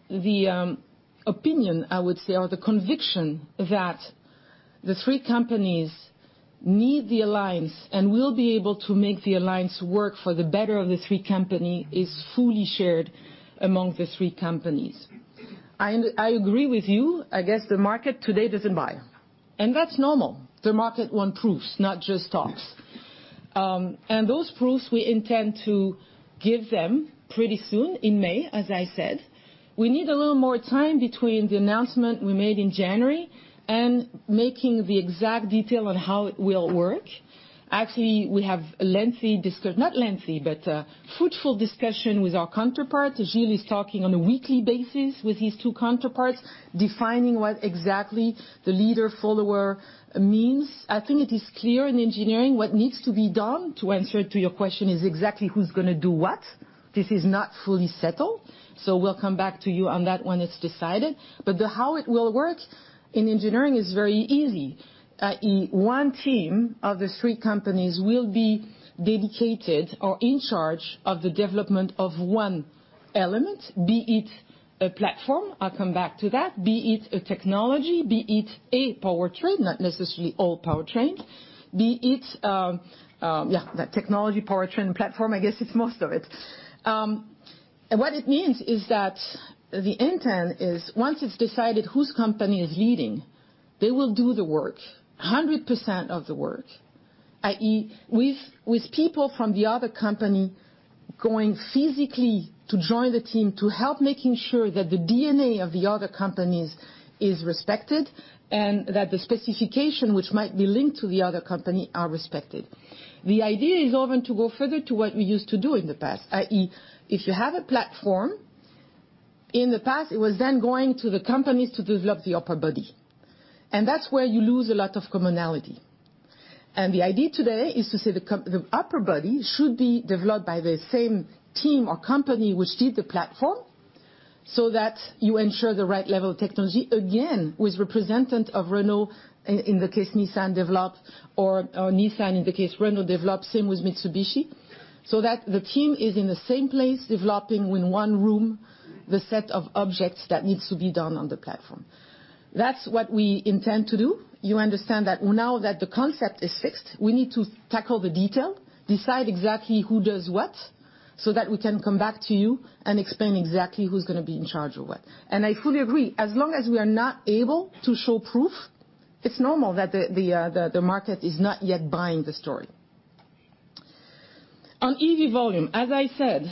[SPEAKER 2] The opinion, I would say, or the conviction that the three companies need the Alliance and will be able to make the Alliance work for the better of the three company is fully shared among the three companies. I agree with you. I guess the market today doesn't buy it. That's normal. The market want proofs, not just talks. Those proofs we intend to give them pretty soon, in May, as I said. We need a little more time between the announcement we made in January and making the exact detail on how it will work. Actually, we have fruitful discussion with our counterparts. Gilles is talking on a weekly basis with his two counterparts, defining what exactly the leader, follower means. I think it is clear in engineering what needs to be done to answer to your question is exactly who's going to do what. This is not fully settled, so we'll come back to you on that when it's decided. How it will work in engineering is very easy, i.e., one team of the three companies will be dedicated or in charge of the development of one element, be it a platform, I'll come back to that, be it a technology, be it a powertrain, not necessarily all powertrain. The technology, powertrain, platform, I guess it's most of it. What it means is that the intent is once it's decided whose company is leading, they will do the work, 100% of the work, i.e., with people from the other company going physically to join the team to help making sure that the DNA of the other companies is respected and that the specification which might be linked to the other company are respected. The idea is even to go further to what we used to do in the past, i.e., if you have a platform, in the past, it was then going to the companies to develop the upper body. That's where you lose a lot of commonality. The idea today is to say the upper body should be developed by the same team or company which did the platform so that you ensure the right level of technology, again, with representative of Renault in the case Nissan developed, or Nissan in the case Renault developed, same with Mitsubishi, so that the team is in the same place developing in one room the set of objects that needs to be done on the platform. That's what we intend to do. You understand that now that the concept is fixed, we need to tackle the detail, decide exactly who does what, so that we can come back to you and explain exactly who is going to be in charge of what. I fully agree, as long as we are not able to show proof, it is normal that the market is not yet buying the story. On EV volume, as I said,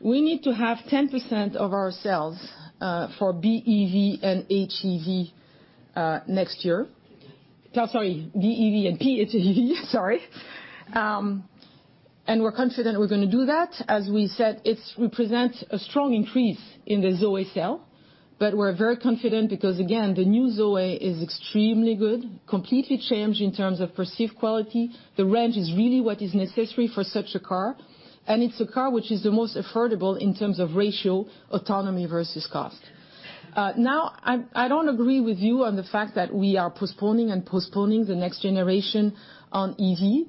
[SPEAKER 2] we need to have 10% of our sales for BEV and HEV next year. Sorry, BEV and PHEV, sorry. We are confident we are going to do that. As we said, it represents a strong increase in the ZOE sell. We are very confident because, again, the new ZOE is extremely good, completely changed in terms of perceived quality. The range is really what is necessary for such a car, and it's a car which is the most affordable in terms of ratio, autonomy versus cost. I don't agree with you on the fact that we are postponing the next generation on EV.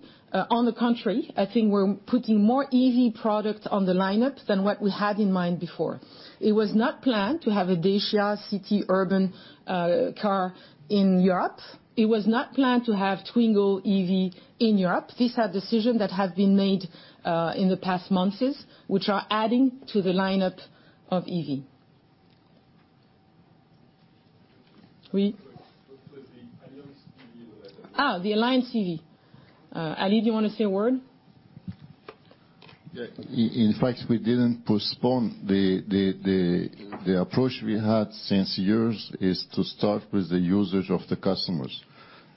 [SPEAKER 2] On the contrary, I think we're putting more EV products on the lineup than what we had in mind before. It was not planned to have a Dacia city urban car in Europe. It was not planned to have Twingo EV in Europe. These are decisions that have been made in the past months, which are adding to the lineup of EV.
[SPEAKER 5] With the Alliance EV.
[SPEAKER 2] The Alliance EV. Ali, do you want to say a word?
[SPEAKER 6] Yeah. In fact, we didn't postpone. The approach we had since years is to start with the users of the customers.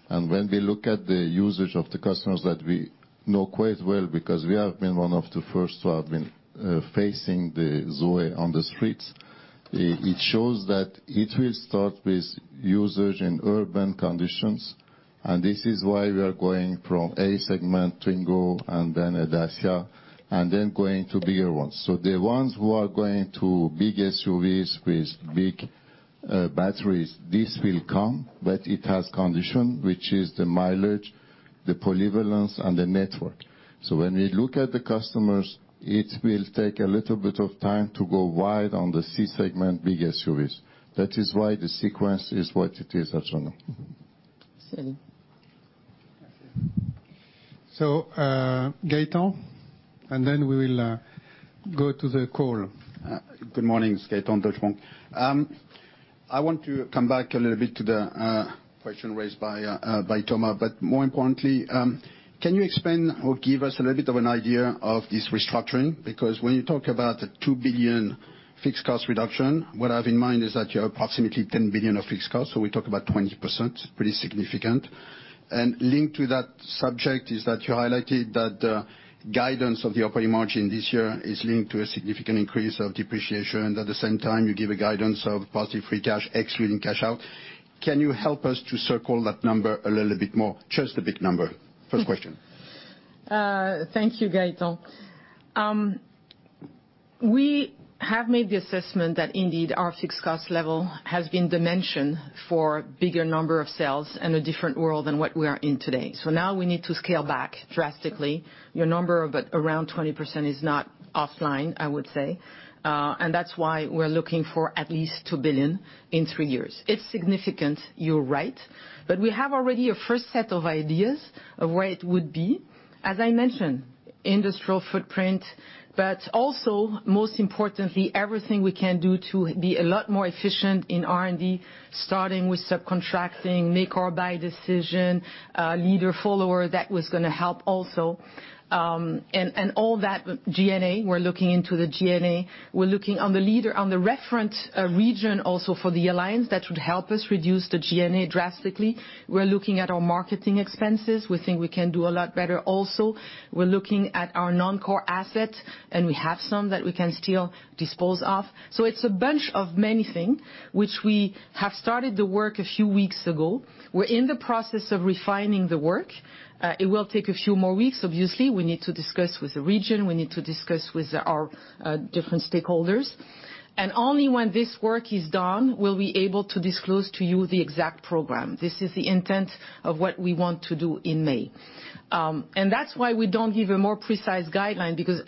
[SPEAKER 6] When we look at the users of the customers that we know quite well, because we have been one of the first to have been facing the ZOE on the streets, it shows that it will start with users in urban conditions. This is why we are going from A segment Twingo and then a Dacia, and then going to bigger ones. The ones who are going to big SUVs with big batteries, this will come, but it has condition, which is the mileage, the polyvalence, and the network. When we look at the customers, it will take a little bit of time to go wide on the C segment, big SUVs. That is why the sequence is what it is.
[SPEAKER 2] Thierry.
[SPEAKER 1] Thank you. Gaetan, and then we will go to the call.
[SPEAKER 7] Good morning. It's Gaetan Toulemonde. I want to come back a little bit to the question raised by Thomas, more importantly, can you explain or give us a little bit of an idea of this restructuring? When you talk about the 2 billion fixed cost reduction, what I have in mind is that you have approximately 10 billion of fixed costs. We talk about 20%, pretty significant. Linked to that subject is that you highlighted that the guidance of the operating margin this year is linked to a significant increase of depreciation. At the same time, you give a guidance of positive free cash, ex-free cash out. Can you help us to circle that number a little bit more? Just a big number. First question.
[SPEAKER 2] Thank you, Gaetan. We have made the assessment that indeed our fixed cost level has been dimensioned for bigger number of sales and a different world than what we are in today. Now we need to scale back drastically. Your number of around 20% is not offline, I would say. That's why we're looking for at least 2 billion in three years. It's significant, you're right. We have already a first set of ideas of where it would be. As I mentioned, industrial footprint, but also, most importantly, everything we can do to be a lot more efficient in R&D, starting with subcontracting, make or buy decision, leader, follower, that was going to help also. All that G&A, we're looking into the G&A. We're looking on the leader, on the reference region also for the Alliance that would help us reduce the G&A drastically. We're looking at our marketing expenses. We think we can do a lot better also. We're looking at our non-core assets, and we have some that we can still dispose of. It's a bunch of many things, which we have started the work a few weeks ago. We're in the process of refining the work. It will take a few more weeks. Obviously, we need to discuss with the region, we need to discuss with our different stakeholders. Only when this work is done, we'll be able to disclose to you the exact program. This is the intent of what we want to do in May. That's why we don't give a more precise guideline, because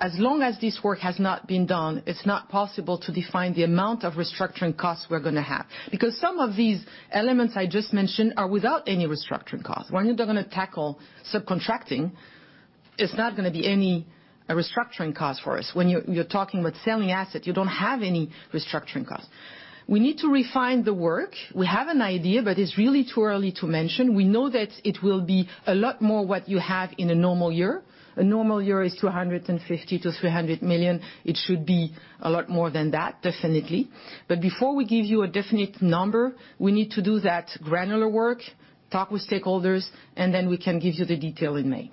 [SPEAKER 2] as long as this work has not been done, it's not possible to define the amount of restructuring costs we're going to have. Because some of these elements I just mentioned are without any restructuring cost. When you're going to tackle subcontracting, it's not going to be any restructuring cost for us. When you're talking about selling asset, you don't have any restructuring cost. We need to refine the work. We have an idea, but it's really too early to mention. We know that it will be a lot more what you have in a normal year. A normal year is 250 million-300 million. It should be a lot more than that, definitely. Before we give you a definite number, we need to do that granular work, talk with stakeholders, and then we can give you the detail in May.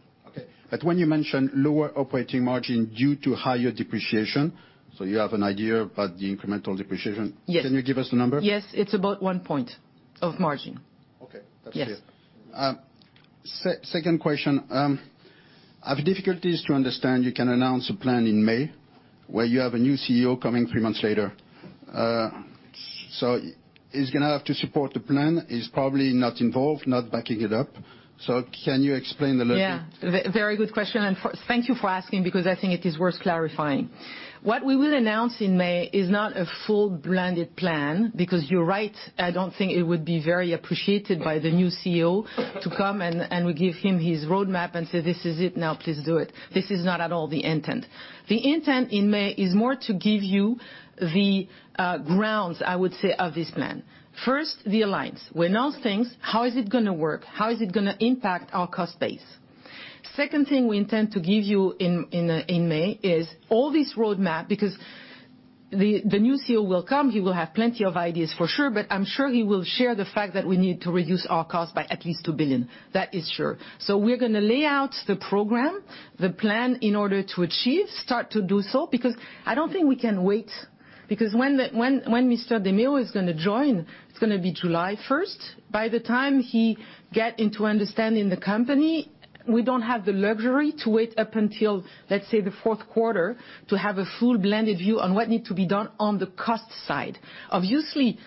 [SPEAKER 7] Okay. When you mentioned lower operating margin due to higher depreciation, you have an idea about the incremental depreciation?
[SPEAKER 2] Yes.
[SPEAKER 7] Can you give us a number?
[SPEAKER 2] Yes. It's about one point of margin.
[SPEAKER 7] Okay. That's clear.
[SPEAKER 2] Yes.
[SPEAKER 7] Second question. I have difficulties to understand, you can announce a plan in May, where you have a new CEO coming three months later. He's going to have to support the plan. He's probably not involved, not backing it up. Can you explain a little bit?
[SPEAKER 2] Yeah. Very good question, and thank you for asking because I think it is worth clarifying. What we will announce in May is not a full blended plan, because you're right, I don't think it would be very appreciated by the new CEO to come, and we give him his roadmap and say, "This is it. Now please do it." This is not at all the intent. The intent in May is more to give you the grounds, I would say, of this plan. First, the Alliance. We announce things, how is it going to work? How is it going to impact our cost base? Second thing we intend to give you in May is all this roadmap, because the new CEO will come, he will have plenty of ideas for sure, but I'm sure he will share the fact that we need to reduce our cost by at least 2 billion. That is sure. We're going to lay out the program, the plan in order to achieve, start to do so, because I don't think we can wait. When Mr. De Meo is going to join, it's going to be July 1st. By the time he get into understanding the company, we don't have the luxury to wait up until, let's say, the fourth quarter to have a full blended view on what need to be done on the cost side. Obviously,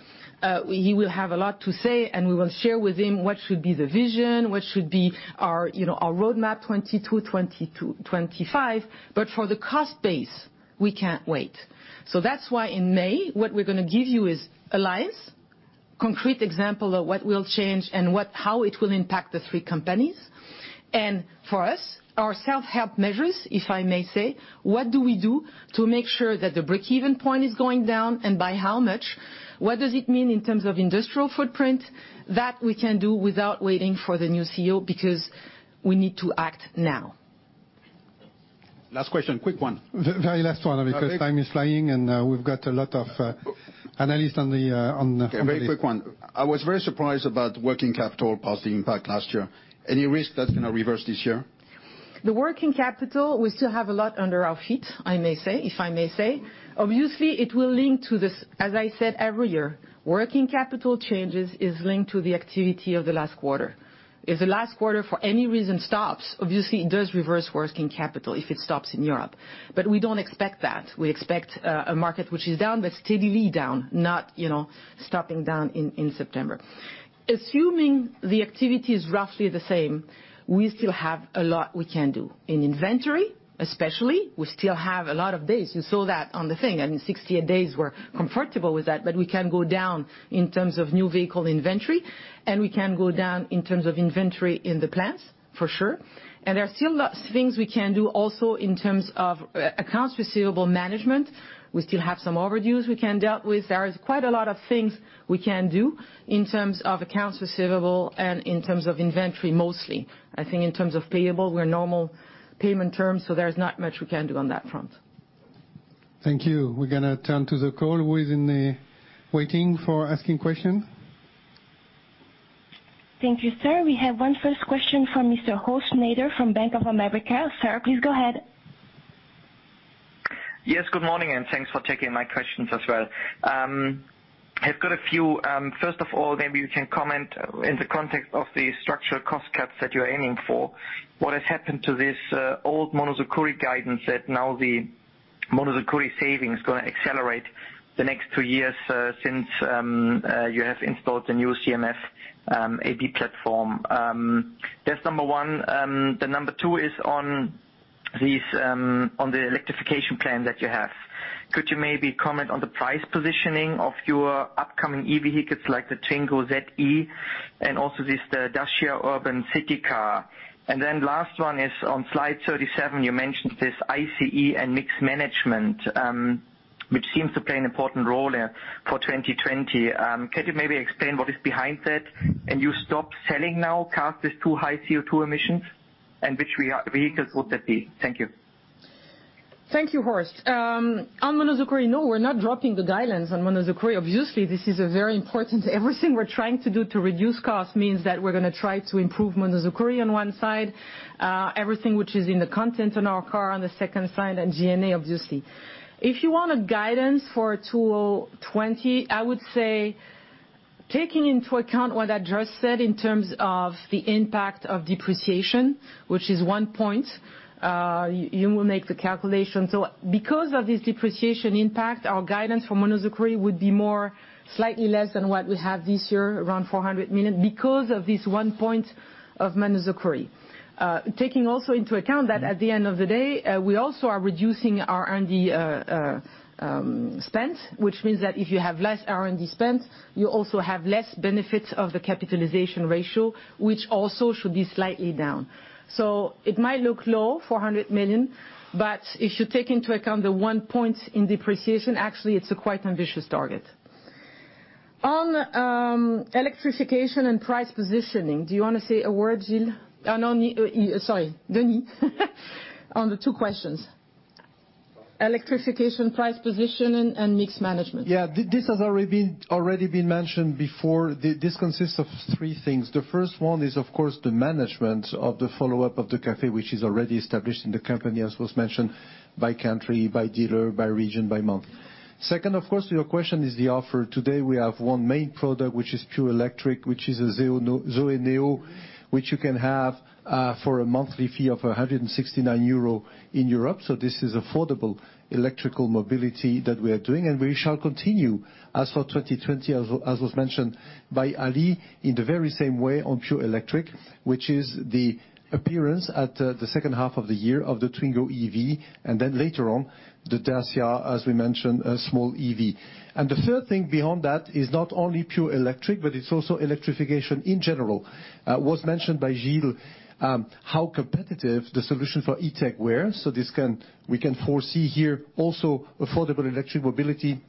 [SPEAKER 2] he will have a lot to say, and we will share with him what should be the vision, what should be our roadmap 2022-2025. For the cost base, we can't wait. That's why in May, what we're going to give you is Alliance, concrete example of what will change and how it will impact the three companies. For us, our self-help measures, if I may say, what do we do to make sure that the breakeven point is going down, and by how much? What does it mean in terms of industrial footprint? That we can do without waiting for the new CEO, because we need to act now.
[SPEAKER 7] Last question, quick one.
[SPEAKER 1] Very last one, because time is flying, and we've got a lot of analysts on the call.
[SPEAKER 7] Okay, very quick one. I was very surprised about working capital passing impact last year. Any risk that's going to reverse this year?
[SPEAKER 2] The working capital, we still have a lot under our feet, if I may say. It will link to this, as I said, every year. Working capital changes is linked to the activity of the last quarter. If the last quarter, for any reason, stops, obviously, it does reverse working capital if it stops in Europe. We don't expect that. We expect a market which is down, but steadily down, not stepping down in September. Assuming the activity is roughly the same, we still have a lot we can do. In inventory, especially, we still have a lot of days. You saw that on the thing. I mean, 68 days, we're comfortable with that, but we can go down in terms of new vehicle inventory, and we can go down in terms of inventory in the plants, for sure. There are still lots of things we can do also in terms of accounts receivable management. We still have some overdues we can deal with. There is quite a lot of things we can do in terms of accounts receivable and in terms of inventory, mostly. I think in terms of payable, we're normal payment terms, so there's not much we can do on that front.
[SPEAKER 1] Thank you. We're going to turn to the call. Who is in the waiting for asking questions?
[SPEAKER 8] Thank you, sir. We have one first question from Mr. Horst Schneider from Bank of America. Sir, please go ahead.
[SPEAKER 9] Yes, good morning, and thanks for taking my questions as well. I've got a few. First of all, maybe you can comment in the context of the structural cost cuts that you're aiming for, what has happened to this old Monozukuri guidance that now the Monozukuri savings going to accelerate the next two years since you have installed the new CMF-B platform? That's number one. The number two is on the electrification plan that you have. Could you maybe comment on the price positioning of your upcoming EV vehicles like the Twingo ZE and also this Dacia urban city car? Last one is on slide 37, you mentioned this ICE and mix management, which seems to play an important role there for 2020. Can you maybe explain what is behind that? You stop selling now cars with too high CO2 emissions, and which vehicles would that be? Thank you.
[SPEAKER 2] Thank you, Horst. On Monozukuri, no, we're not dropping the guidance on Monozukuri. Obviously, this is a very important. Everything we're trying to do to reduce cost means that we're going to try to improve Monozukuri on one side, everything which is in the content on our car on the second side, and G&A, obviously. If you want a guidance for 2020, I would say taking into account what I just said in terms of the impact of depreciation, which is one point, you will make the calculation. Because of this depreciation impact, our guidance for Monozukuri would be more slightly less than what we have this year, around 400 million, because of this one point of Monozukuri. Taking also into account that at the end of the day, we also are reducing our R&D spend, which means that if you have less R&D spend, you also have less benefit of the capitalization ratio, which also should be slightly down. It might look low, 400 million, but if you take into account the one point in depreciation, actually, it's a quite ambitious target. On electrification and price positioning, do you want to say a word, Gilles? Sorry, Denis, on the two questions. Electrification, price positioning, and mix management.
[SPEAKER 10] This has already been mentioned before. This consists of three things. The first one is, of course, the management of the follow-up of the CAFE, which is already established in the company, as was mentioned, by country, by dealer, by region, by month. Second, of course, to your question is the offer. Today, we have one main product, which is pure electric, which is a ZOE, which you can have for a monthly fee of 169 euro in Europe. This is affordable electrical mobility that we are doing, and we shall continue, as for 2020, as was mentioned by Ali, in the very same way on pure electric, which is the appearance at the second half of the year of the Twingo EV, and then later on, the Dacia, as we mentioned, a small EV. The third thing beyond that is not only pure electric, but it's also electrification in general. Was mentioned by Gilles, how competitive the solution for E-Tech where, we can foresee here also affordable electric mobility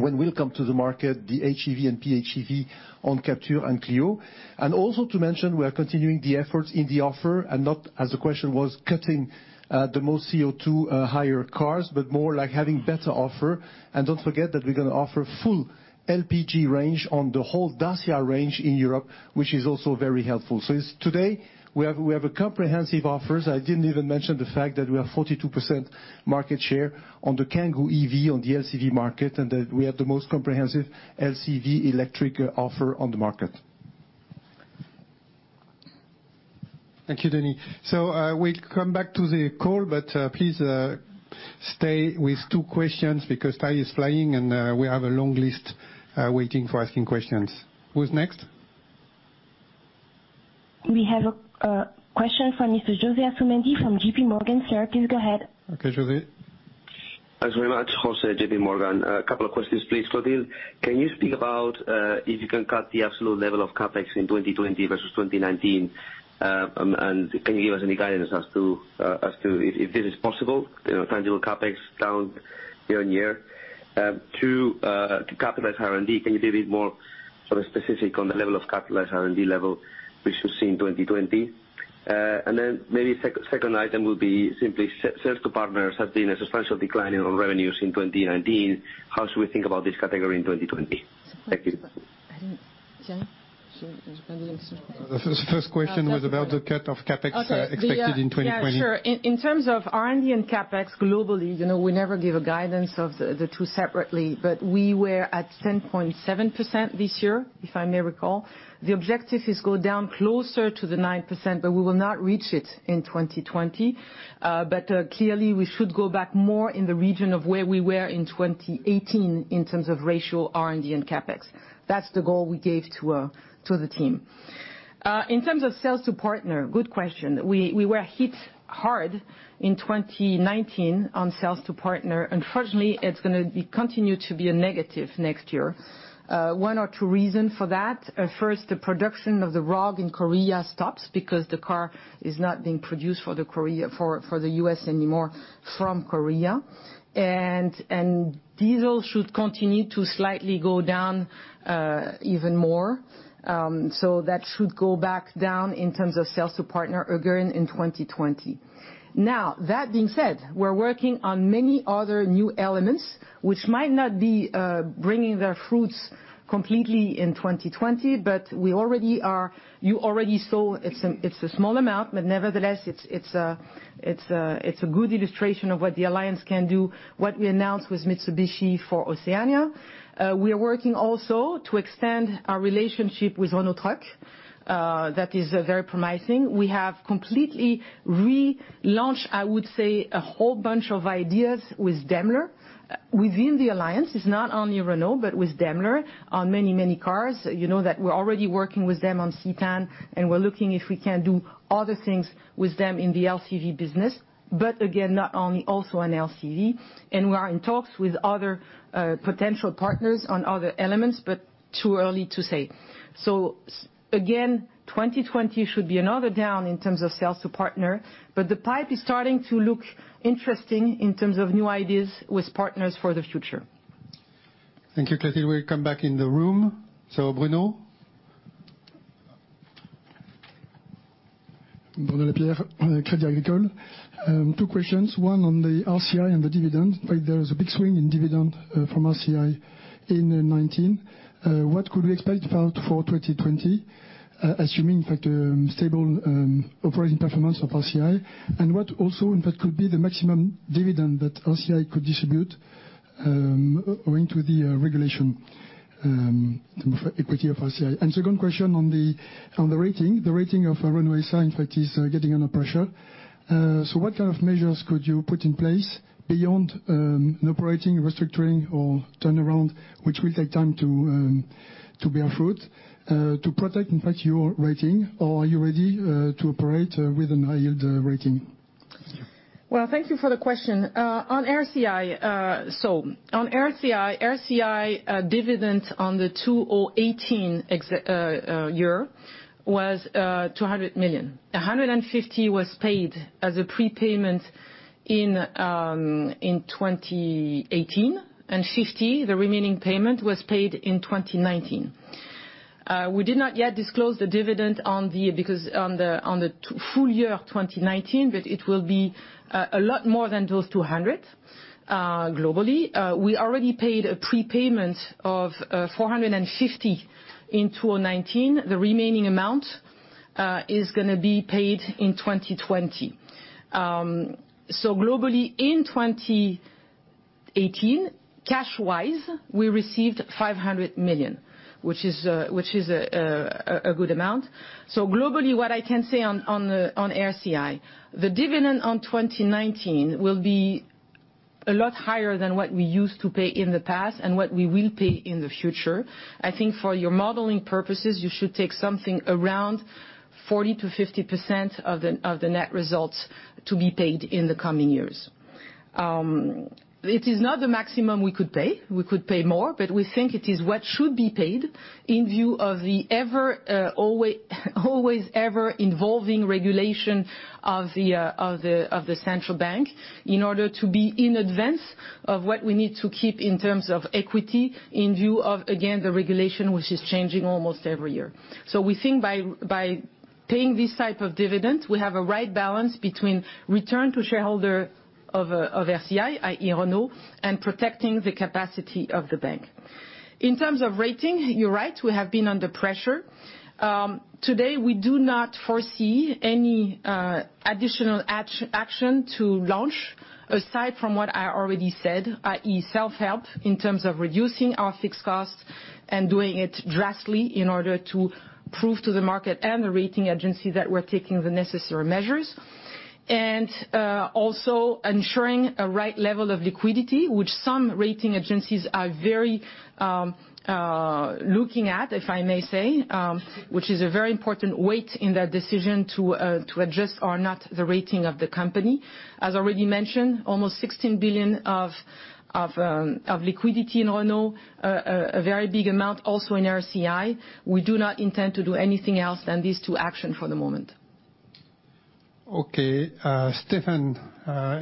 [SPEAKER 10] when we'll come to the market, the HEV and PHEV on Captur and Clio. Also to mention, we are continuing the efforts in the offer and not, as the question was, cutting the most CO2 higher cars, but more like having better offer. Don't forget that we're going to offer full LPG range on the whole Dacia range in Europe, which is also very helpful. Today, we have a comprehensive offers. I didn't even mention the fact that we have 42% market share on the Kangoo EV, on the LCV market, and that we have the most comprehensive LCV electric offer on the market.
[SPEAKER 1] Thank you, Denis. We come back to the call, but please stay with two questions because time is flying, and we have a long list waiting for asking questions. Who's next?
[SPEAKER 8] We have a question from Mr. José Asumendi from J.P. Morgan. Sir, please go ahead.
[SPEAKER 1] Okay, José.
[SPEAKER 11] Thanks very much. José, J.P. Morgan. A couple of questions, please. Clotilde, can you speak about if you can cut the absolute level of CapEx in 2020 versus 2019? Can you give us any guidance as to if this is possible, tangible CapEx down year-on-year? Two, to capitalize R&D, can you be a bit more sort of specific on the level of capitalized R&D level we should see in 2020? Maybe second item will be simply sales to partners have been a substantial decline in our revenues in 2019. How should we think about this category in 2020? Thank you.
[SPEAKER 2] I didn't
[SPEAKER 1] The first question was about the cut of CapEx expected in 2020.
[SPEAKER 2] Yeah, sure. In terms of R&D and CapEx globally, we never give a guidance of the two separately. We were at 10.7% this year, if I may recall. The objective is go down closer to the 9%, but we will not reach it in 2020. Clearly, we should go back more in the region of where we were in 2018 in terms of ratio R&D and CapEx. That's the goal we gave to the team. In terms of sales to partner, good question. We were hit hard in 2019 on sales to partner. Unfortunately, it's going to continue to be a negative next year. One or two reason for that. First, the production of the Rogue in Korea stops because the car is not being produced for the U.S. anymore from Korea. Diesel should continue to slightly go down, even more. That should go back down in terms of sales to partner again in 2020. That being said, we're working on many other new elements, which might not be bringing their fruits completely in 2020, but you already saw it's a small amount, but nevertheless, it's a good illustration of what the Alliance can do, what we announced with Mitsubishi for Oceania. We are working also to extend our relationship with Renault Trucks. That is very promising. We have completely relaunched, I would say, a whole bunch of ideas with Daimler within the Alliance. It's not only Renault, but with Daimler on many, many cars. You know that we're already working with them on Citan, and we're looking if we can do other things with them in the LCV business. Again, not only also on LCV, and we are in talks with other potential partners on other elements, but too early to say. Again, 2020 should be another down in terms of sales to partner, but the pipe is starting to look interesting in terms of new ideas with partners for the future.
[SPEAKER 1] Thank you, Clotilde. We come back in the room. Bruno?
[SPEAKER 12] Bruno Lapierre, Crédit Agricole. Two questions. One on the RCI and the dividend. There is a big swing in dividend from RCI in 2019. What could we expect for 2020, assuming stable operating performance of RCI? What also could be the maximum dividend that RCI could distribute owing to the regulation equity of RCI? Second question on the rating. The rating of Renault SA is getting under pressure. What kind of measures could you put in place beyond an operating restructuring or turnaround, which will take time to bear fruit, to protect your rating? Are you ready to operate with a high yield rating?
[SPEAKER 2] Thank you for the question. On RCI, dividend on the 2018 year was 200 million. 150 million was paid as a prepayment in 2018, and 50 million, the remaining payment, was paid in 2019. We did not yet disclose the dividend on the full year of 2019, but it will be a lot more than those 200 million, globally. We already paid a prepayment of 450 million in 2019. The remaining amount is going to be paid in 2020. Globally in 2018, cash-wise, we received 500 million, which is a good amount. Globally, what I can say on RCI, the dividend on 2019 will be a lot higher than what we used to pay in the past and what we will pay in the future. I think for your modeling purposes, you should take something around 40%-50% of the net results to be paid in the coming years. It is not the maximum we could pay. We could pay more, we think it is what should be paid in view of the always ever-evolving regulation of the central bank in order to be in advance of what we need to keep in terms of equity in view of, again, the regulation, which is changing almost every year. We think by paying this type of dividend, we have a right balance between return to shareholder of RCI, i.e. Renault, and protecting the capacity of the bank. In terms of rating, you're right, we have been under pressure. Today, we do not foresee any additional action to launch aside from what I already said, i.e. self-help in terms of reducing our fixed costs and doing it drastically in order to prove to the market and the rating agency that we're taking the necessary measures. Also ensuring a right level of liquidity, which some rating agencies are very looking at, if I may say, which is a very important weight in their decision to adjust or not the rating of the company. As already mentioned, almost 16 billion of liquidity in Renault, a very big amount also in RCI. We do not intend to do anything else than these two actions for the moment.
[SPEAKER 1] Okay. Stephen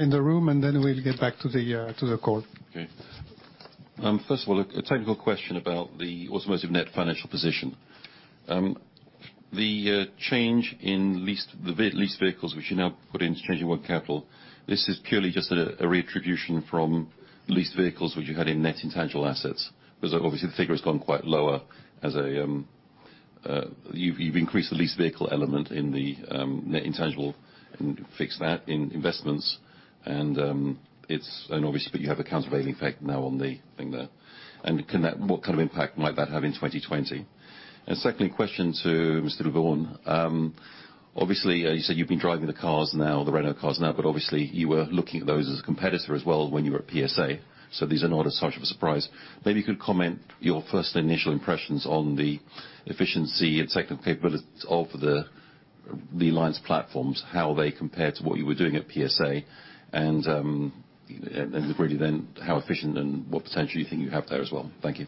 [SPEAKER 1] in the room, then we'll get back to the call.
[SPEAKER 13] Okay. First of all, a technical question about the automotive net financial position. The change in leased vehicles, which you now put into change in working capital, this is purely just a retribution from leased vehicles which you had in net intangible assets? Obviously, the figure has gone quite lower, you've increased the leased vehicle element in the net intangible and fixed that in investments. Obviously, you have a countervailing effect now on the thing there. What kind of impact might that have in 2020? Secondly, question to Mr. Le Borgne. Obviously, you said you've been driving the Renault cars now, obviously, you were looking at those as a competitor as well when you were at PSA, these are not as such a surprise. Maybe you could comment your first initial impressions on the efficiency and technical capabilities of the Alliance platforms, how they compare to what you were doing at PSA? Really, how efficient and what potential you think you have there as well? Thank you.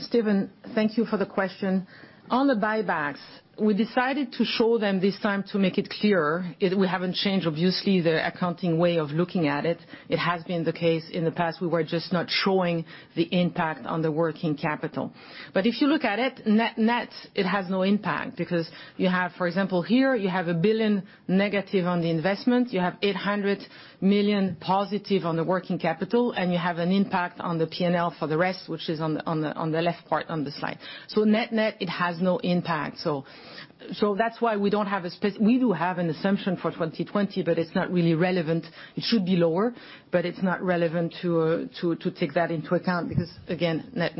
[SPEAKER 2] Stephen, thank you for the question. On the buybacks, we decided to show them this time to make it clearer. We haven't changed, obviously, the accounting way of looking at it. It has been the case in the past, we were just not showing the impact on the working capital. If you look at it, net, it has no impact because you have, for example, here, you have 1 billion negative on the investment, you have 800 million positive on the working capital, and you have an impact on the P&L for the rest, which is on the left part on the slide. Net, it has no impact. That's why we don't have a specific, we do have an assumption for 2020, but it's not really relevant. It should be lower, but it's not relevant to take that into account because, again, net.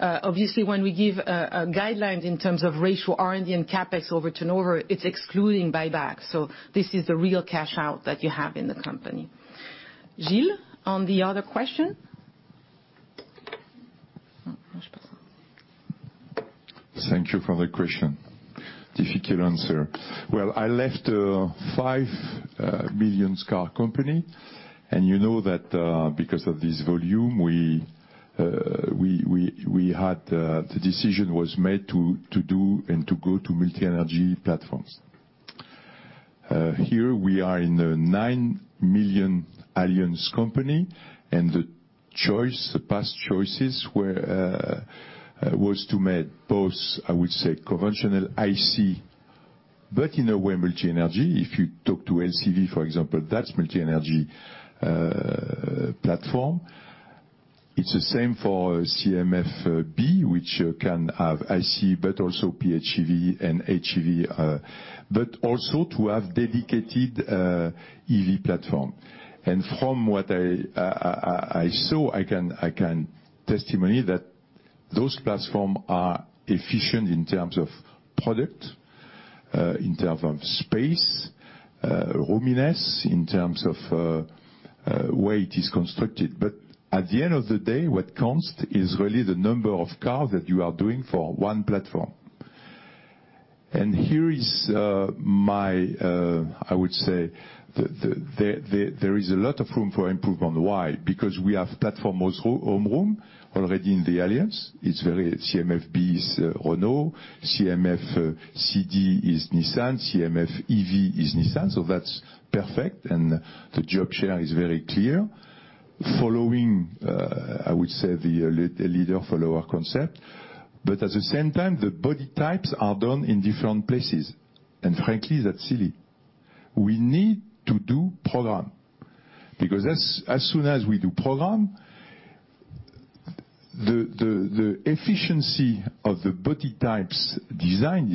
[SPEAKER 2] Obviously, when we give guidelines in terms of ratio R&D and CapEx over turnover, it's excluding buyback. This is the real cash out that you have in the company. Gilles, on the other question?
[SPEAKER 4] Thank you for the question. Difficult answer. Well, I left a 5 million car company, and you know that because of this volume, the decision was made to do and to go to multi-energy platforms. Here we are in the 9 million Alliance company, and the past choices was to make both, I would say, conventional IC, but in a way, multi-energy. If you talk to LCV, for example, that's multi-energy platform. It's the same for CMF-B, which can have IC, but also PHEV and HEV. Also to have dedicated EV platform. From what I saw, I can testimony that those platform are efficient in terms of product, in terms of space, roominess, in terms of way it is constructed. At the end of the day, what counts is really the number of cars that you are doing for one platform. Here is my, I would say, there is a lot of room for improvement. Why? Because we have platform home room already in the Alliance. CMF-B is Renault, CMF-CD is Nissan, CMF-EV is Nissan. That's perfect, and the job share is very clear. Following, I would say, the leader follower concept. At the same time, the body types are done in different places. Frankly, that's silly. We need to do program, because as soon as we do program, the efficiency of the body types design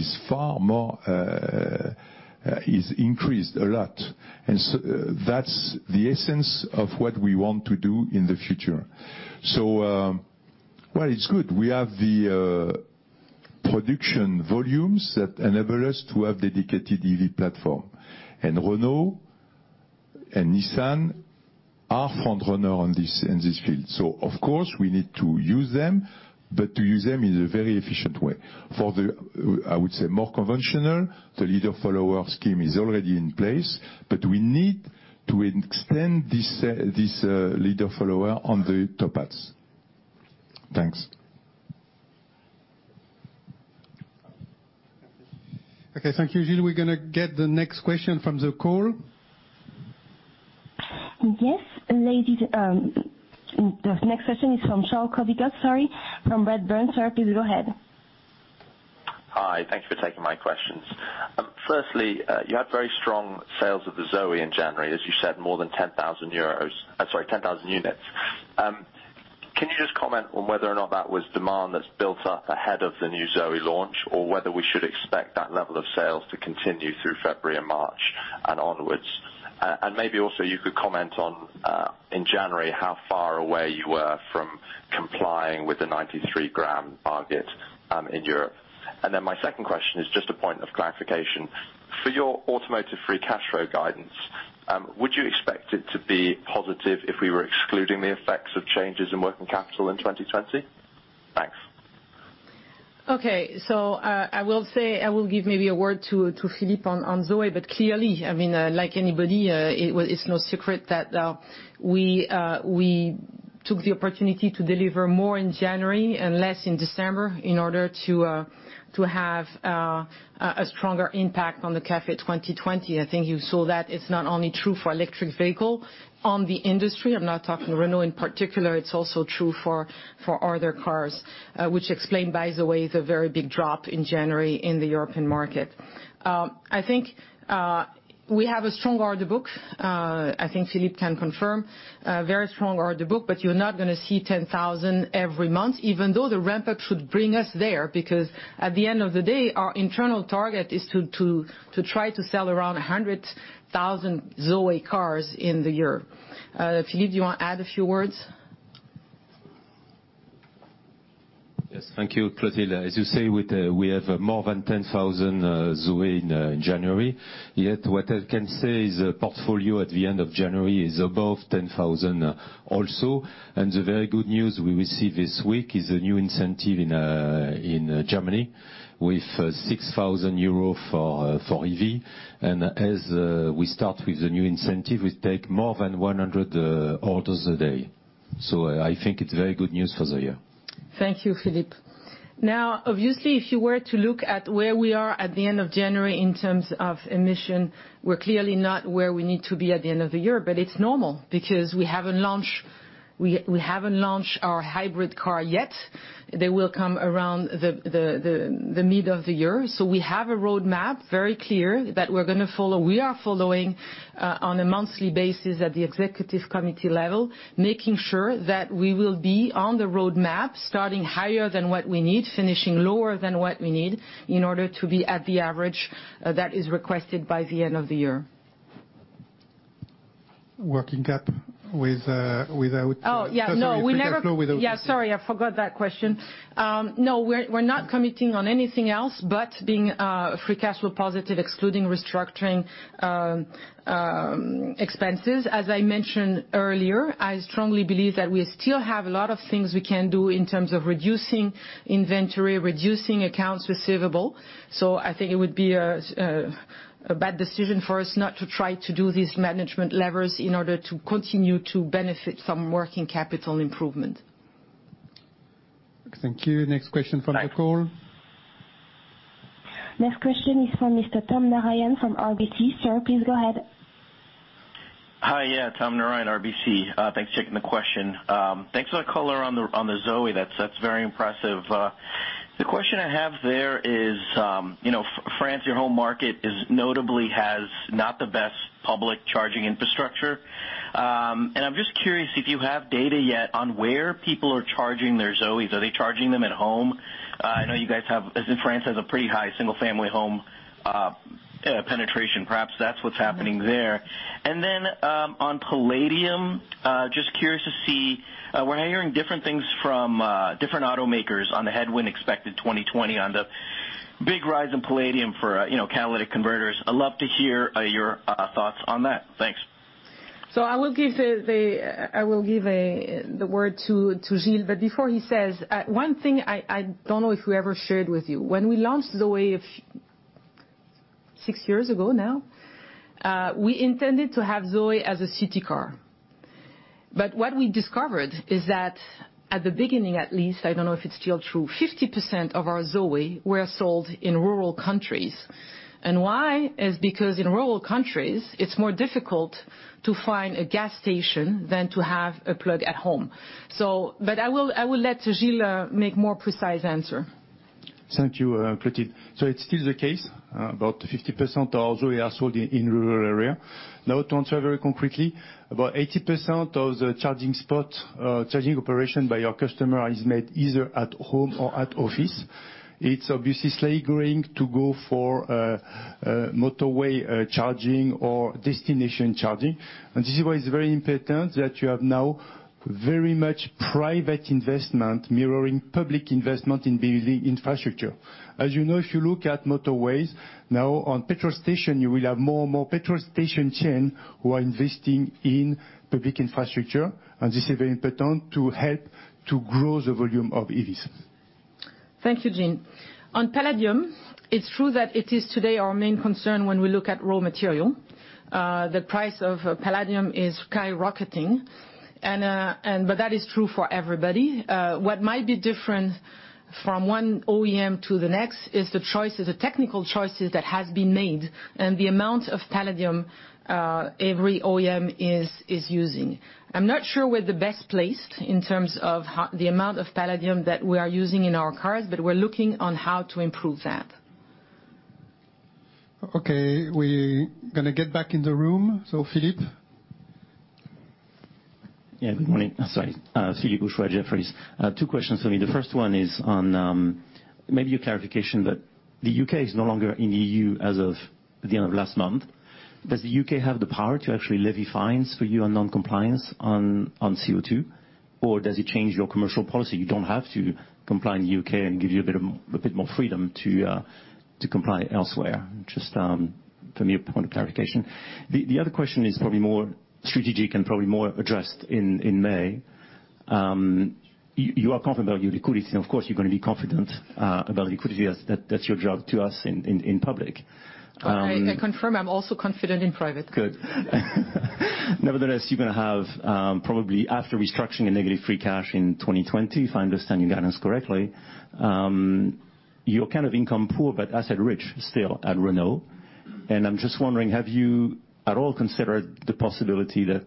[SPEAKER 4] is increased a lot. That's the essence of what we want to do in the future. Well, it's good. We have the production volumes that enable us to have dedicated EV platform. Renault and Nissan are front runner in this field. Of course, we need to use them, but to use them in a very efficient way. For the, I would say, more conventional, the leader follower scheme is already in place, but we need to extend this leader follower on the top hats. Thanks.
[SPEAKER 1] Okay. Thank you, Gilles. We're going to get the next question from the call.
[SPEAKER 8] Yes. The next question is from Charles Coldicott from Redburn. Sir, please go ahead.
[SPEAKER 14] Hi. Thank you for taking my questions. Firstly, you had very strong sales of the ZOE in January. As you said, more than 10,000 units. Can you just comment on whether or not that was demand that's built up ahead of the new ZOE launch, or whether we should expect that level of sales to continue through February and March, and onwards? Maybe also you could comment on, in January, how far away you were from complying with the 93 g target in Europe. My second question is just a point of clarification. For your automotive free cash flow guidance, would you expect it to be positive if we were excluding the effects of changes in working capital in 2020? Thanks.
[SPEAKER 2] Okay. I will give maybe a word to Philippe on ZOE, but clearly, like anybody, it's no secret that we took the opportunity to deliver more in January and less in December in order to have a stronger impact on the CAFE 2020. I think you saw that it's not only true for electric vehicle on the industry, I'm not talking Renault in particular, it's also true for other cars. Which explain, by the way, the very big drop in January in the European market. I think we have a strong order book. I think Philippe can confirm. Very strong order book, but you're not going to see 10,000 every month, even though the ramp up should bring us there. At the end of the day, our internal target is to try to sell around 100,000 ZOE cars in the year. Philippe, do you want to add a few words?
[SPEAKER 15] Yes. Thank you, Clotilde. As you say, we have more than 10,000 Renault ZOE in January. What I can say is the portfolio at the end of January is above 10,000 also. The very good news we will see this week is a new incentive in Germany with 6,000 euros for EV. As we start with the new incentive, we take more than 100 orders a day. I think it's very good news for the year.
[SPEAKER 2] Thank you, Philippe. Obviously, if you were to look at where we are at the end of January in terms of emission, we're clearly not where we need to be at the end of the year, but it's normal because we haven't launched our hybrid car yet. They will come around the mid of the year. We have a roadmap, very clear, that we're going to follow. We are following, on a monthly basis at the Executive Committee level, making sure that we will be on the roadmap, starting higher than what we need, finishing lower than what we need, in order to be at the average that is requested by the end of the year.
[SPEAKER 1] Working cap with
[SPEAKER 2] Oh, yeah. No, Yeah, sorry. I forgot that question. No, we're not committing on anything else, but being free cash flow positive, excluding restructuring expenses. As I mentioned earlier, I strongly believe that we still have a lot of things we can do in terms of reducing inventory, reducing accounts receivable. I think it would be a bad decision for us not to try to do these management levers in order to continue to benefit some working capital improvement.
[SPEAKER 1] Thank you. Next question from the call.
[SPEAKER 8] Next question is from Mr. Tom Narayan from RBC. Sir, please go ahead.
[SPEAKER 16] Hi. Yeah. Tom Narayan, RBC. Thanks for taking the question. Thanks for that color on the ZOE. That's very impressive. The question I have there is, France, your home market notably has not the best public charging infrastructure. I'm just curious if you have data yet on where people are charging their ZOEs. Are they charging them at home? I know you guys have, as in France, has a pretty high single-family home penetration. Perhaps that's what's happening there. Then, on palladium, just curious to see, we're hearing different things from different automakers on the headwind expected 2020 on the big rise in palladium for catalytic converters. I'd love to hear your thoughts on that. Thanks.
[SPEAKER 2] I will give the word to Gilles. Before he says, one thing I don't know if we ever shared with you. When we launched ZOE, six years ago now? We intended to have ZOE as a city car. What we discovered is that at the beginning at least, I don't know if it's still true, 50% of our ZOE were sold in rural countries. Why is because in rural countries, it's more difficult to find a gas station than to have a plug at home. I will let Gilles make more precise answer.
[SPEAKER 4] Thank you, Clotilde. It's still the case. About 50% of ZOE are sold in rural area. To answer very concretely, about 80% of the charging operation by our customer is made either at home or at office. It's obviously slowly growing to go for motorway charging or destination charging. This is why it's very important that you have now very much private investment mirroring public investment in building infrastructure. As you know, if you look at motorways, now on petrol station, you will have more and more petrol station chain who are investing in public infrastructure, and this is very important to help to grow the volume of EVs.
[SPEAKER 2] Thank you, Gilles. On palladium, it's true that it is today our main concern when we look at raw material. The price of palladium is skyrocketing. That is true for everybody. What might be different from one OEM to the next is the technical choices that has been made and the amount of palladium every OEM is using. I'm not sure we're the best placed in terms of the amount of palladium that we are using in our cars, but we're looking on how to improve that.
[SPEAKER 1] Okay. We're going to get back in the room. Philippe.
[SPEAKER 17] Yeah. Good morning. Sorry. Philippe Houchois, Jefferies. Two questions for me. The first one is maybe a clarification that the U.K. is no longer in the EU as of the end of last month. Does the U.K. have the power to actually levy fines for you on non-compliance on CO2? Does it change your commercial policy? You don't have to comply in the U.K. and gives you a bit more freedom to comply elsewhere. Just from your point of clarification. The other question is probably more strategic and probably more addressed in May. You are confident about your liquidity. Of course, you're going to be confident about liquidity, as that's your job to us in public.
[SPEAKER 2] I confirm I'm also confident in private.
[SPEAKER 17] Good. Nevertheless, you're going to have, probably after restructuring a negative free cash in 2020, if I understand your guidance correctly. You're kind of income poor, but asset rich still at Renault. I'm just wondering, have you at all considered the possibility that,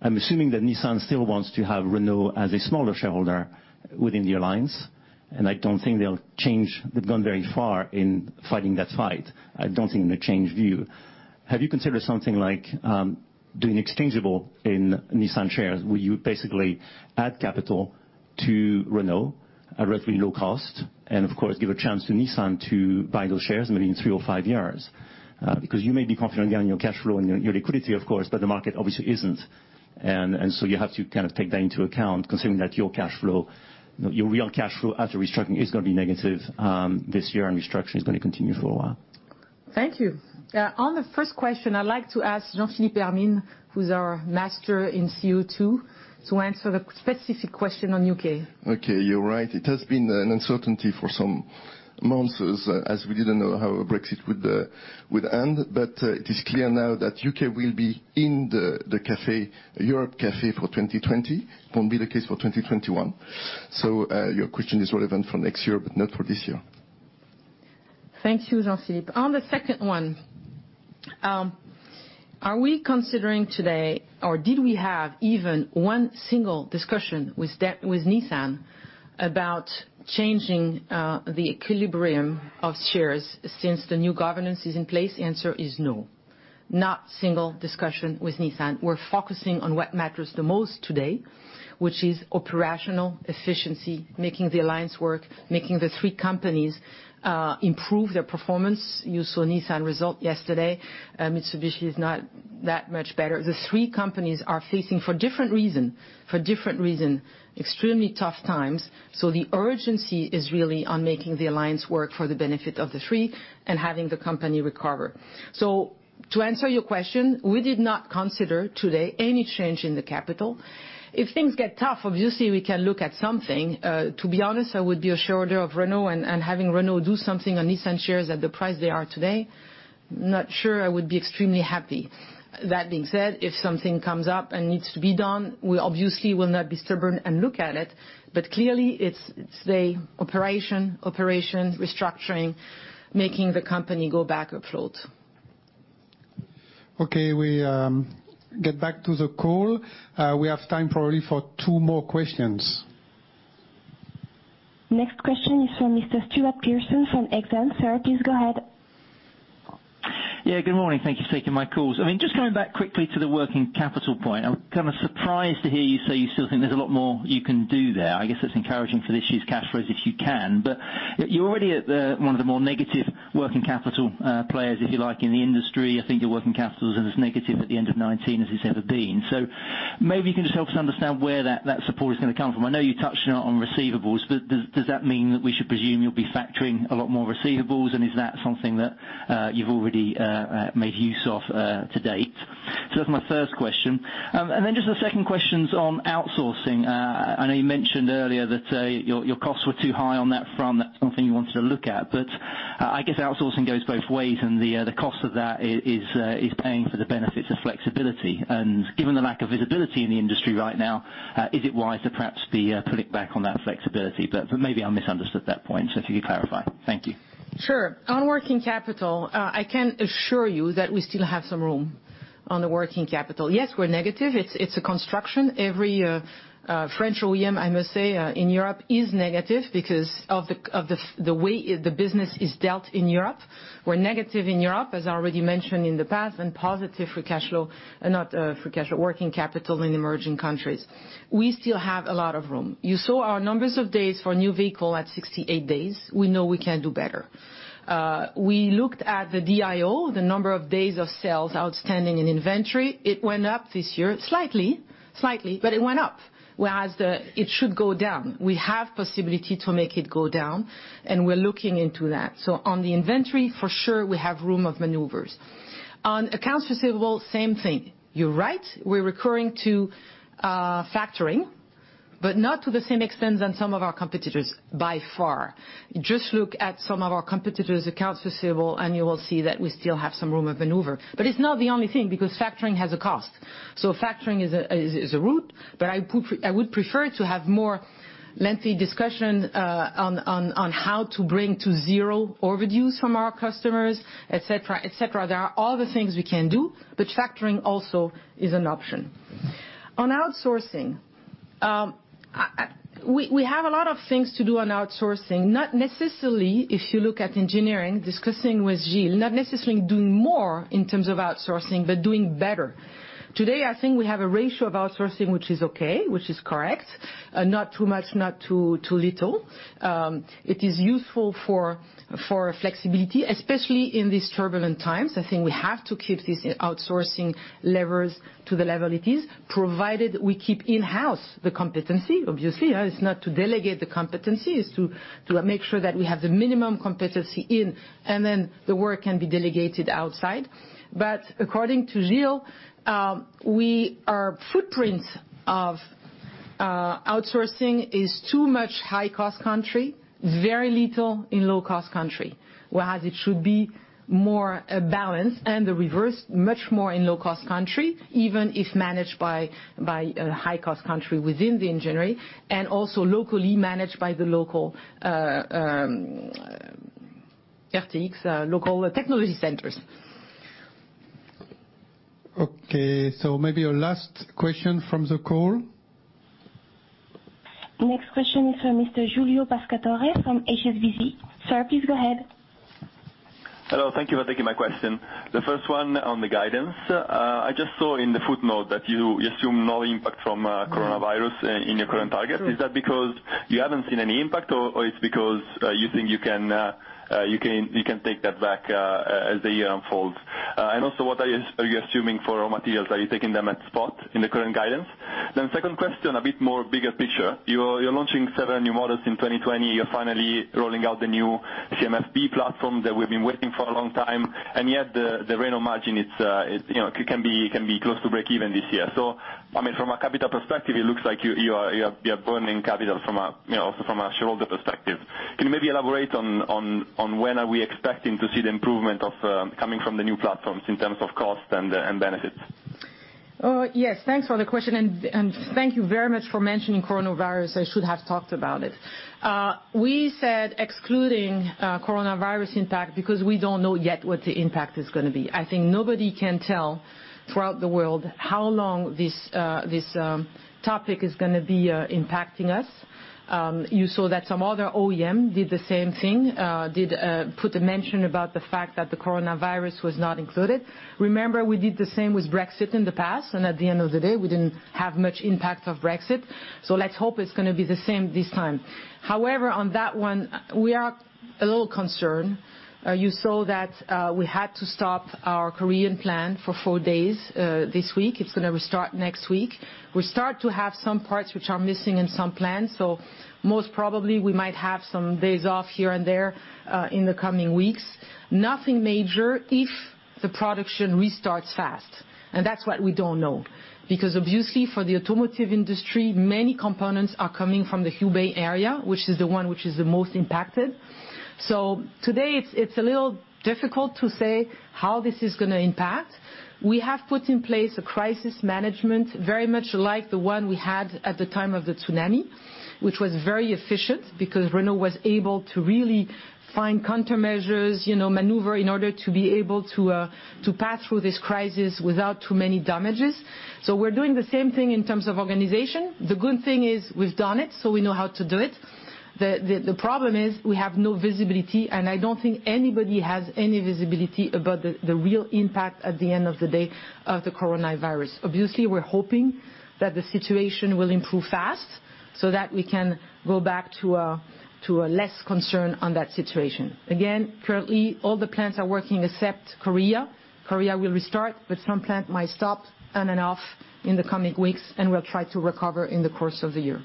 [SPEAKER 17] I'm assuming that Nissan still wants to have Renault as a smaller shareholder within the Alliance, and I don't think they'll gone very far in fighting that fight. I don't think they've changed view. Have you considered something like doing exchangeable in Nissan shares where you would basically add capital to Renault at relatively low cost and of course, give a chance to Nissan to buy those shares maybe in three or five years? You may be confident in your cash flow and your liquidity, of course, but the market obviously isn't. You have to take that into account considering that your real cash flow after restructuring is going to be negative this year, and restructuring is going to continue for a while.
[SPEAKER 2] Thank you. On the first question, I'd like to ask Jean-Philippe Hermine, who's our master in CO2, to answer the specific question on U.K.
[SPEAKER 18] Okay, you're right. It has been an uncertainty for some months as we didn't know how Brexit would end. It is clear now that U.K. will be in the CAFE for 2020, it won't be the case for 2021. Your question is relevant for next year, but not for this year.
[SPEAKER 2] Thank you, Jean-Philippe. On the second one, are we considering today or did we have even one single discussion with Nissan about changing the equilibrium of shares since the new governance is in place? The answer is no. Not single discussion with Nissan. We're focusing on what matters the most today, which is operational efficiency, making the Alliance work, making the three companies improve their performance. You saw Nissan result yesterday. Mitsubishi is not that much better. The three companies are facing, for different reason, extremely tough times. The urgency is really on making the Alliance work for the benefit of the three and having the company recover. To answer your question, we did not consider today any change in the capital. If things get tough, obviously, we can look at something. To be honest, I would be a shareholder of Renault and having Renault do something on Nissan shares at the price they are today, not sure I would be extremely happy. That being said, if something comes up and needs to be done, we obviously will not be stubborn and look at it, but clearly it's the operation, restructuring, making the company go back afloat.
[SPEAKER 1] Okay, we get back to the call. We have time probably for two more questions.
[SPEAKER 8] Next question is from Mr. Stuart Pearson from Exane. Sir, please go ahead.
[SPEAKER 19] Yeah, good morning. Thank you for taking my calls. Just coming back quickly to the working capital point, I'm kind of surprised to hear you say you still think there's a lot more you can do there. I guess that's encouraging for this year's cash flows if you can. You're already at one of the more negative working capital players, if you like, in the industry. I think your working capital is as negative at the end of 2019 as it's ever been. Maybe you can just help us understand where that support is going to come from. I know you touched on receivables, but does that mean that we should presume you'll be factoring a lot more receivables, and is that something that you've already made use of to date? That's my first question. Just the second question is on outsourcing. I know you mentioned earlier that your costs were too high on that front, that's something you wanted to look at. I guess outsourcing goes both ways, and the cost of that is paying for the benefits of flexibility. Given the lack of visibility in the industry right now, is it wise to perhaps be pulling back on that flexibility? Maybe I misunderstood that point. If you could clarify. Thank you.
[SPEAKER 2] Sure. On working capital, I can assure you that we still have some room on the working capital. Yes, we're negative. It's a construction. Every French OEM, I must say, in Europe is negative because of the way the business is dealt in Europe. We're negative in Europe, as I already mentioned in the past, and positive for working capital in emerging countries. We still have a lot of room. You saw our numbers of days for a new vehicle at 68 days. We know we can do better. We looked at the DSO, the number of days of sales outstanding in inventory. It went up this year, slightly, it went up, whereas it should go down. We have possibility to make it go down, we're looking into that. On the inventory, for sure, we have room of maneuvers. On accounts receivable, same thing. You're right, we're recurring to factoring, but not to the same extent than some of our competitors by far. Just look at some of our competitors' accounts receivable, and you will see that we still have some room of maneuver. It's not the only thing, because factoring has a cost. Factoring is a route, but I would prefer to have more lengthy discussion on how to bring to zero overdue from our customers, et cetera. There are other things we can do, but factoring also is an option. On outsourcing, we have a lot of things to do on outsourcing, not necessarily if you look at engineering, discussing with Gilles, not necessarily doing more in terms of outsourcing, but doing better. Today, I think we have a ratio of outsourcing which is okay, which is correct, not too much, not too little. It is useful for flexibility, especially in these turbulent times. I think we have to keep these outsourcing levers to the level it is, provided we keep in-house the competency, obviously. It is not to delegate the competency. It is to make sure that we have the minimum competency in, and then the work can be delegated outside. According to Gilles, our footprint of outsourcing is too much high-cost country, very little in low-cost country, whereas it should be more balanced and the reverse, much more in low-cost country, even if managed by a high-cost country within the engineering, and also locally managed by the local technology centers.
[SPEAKER 1] Okay. Maybe a last question from the call.
[SPEAKER 8] Next question is from Mr. Giulio Pescatore from HSBC. Sir, please go ahead.
[SPEAKER 20] Hello. Thank you for taking my question. The first one on the guidance. I just saw in the footnote that you assume no impact from coronavirus in your current target. Is that because you haven't seen any impact, or it's because you think you can take that back as the year unfolds? What are you assuming for raw materials? Are you taking them at spot in the current guidance? Second question, a bit more bigger picture. You're launching several new models in 2020. You're finally rolling out the new CMF-B platform that we've been waiting for a long time, and yet the Renault margin can be close to breakeven this year. From a capital perspective, it looks like you are burning capital from a shareholder perspective. Can you maybe elaborate on when are we expecting to see the improvement coming from the new platforms in terms of cost and benefits?
[SPEAKER 2] Yes. Thanks for the question, and thank you very much for mentioning coronavirus. I should have talked about it. We said excluding coronavirus impact because we don't know yet what the impact is going to be. I think nobody can tell throughout the world how long this topic is going to be impacting us. You saw that some other OEM did the same thing, put a mention about the fact that the coronavirus was not included. Remember, we did the same with Brexit in the past, and at the end of the day, we didn't have much impact of Brexit. Let's hope it's going to be the same this time. However, on that one, we are a little concerned. You saw that we had to stop our Korean plant for four days this week. It's going to restart next week. We start to have some parts which are missing in some plants, so most probably, we might have some days off here and there in the coming weeks. Nothing major if the production restarts fast, and that's what we don't know. Obviously, for the automotive industry, many components are coming from the Hubei area, which is the one which is the most impacted. Today, it's a little difficult to say how this is going to impact. We have put in place a crisis management, very much like the one we had at the time of the tsunami, which was very efficient because Renault was able to really find countermeasures, maneuver in order to be able to pass through this crisis without too many damages. The good thing is we've done it, so we know how to do it. The problem is we have no visibility, and I don't think anybody has any visibility about the real impact, at the end of the day, of the coronavirus. We're hoping that the situation will improve fast so that we can go back to a less concern on that situation. Currently, all the plants are working except Korea. Korea will restart, but some plant might stop on and off in the coming weeks, and we'll try to recover in the course of the year.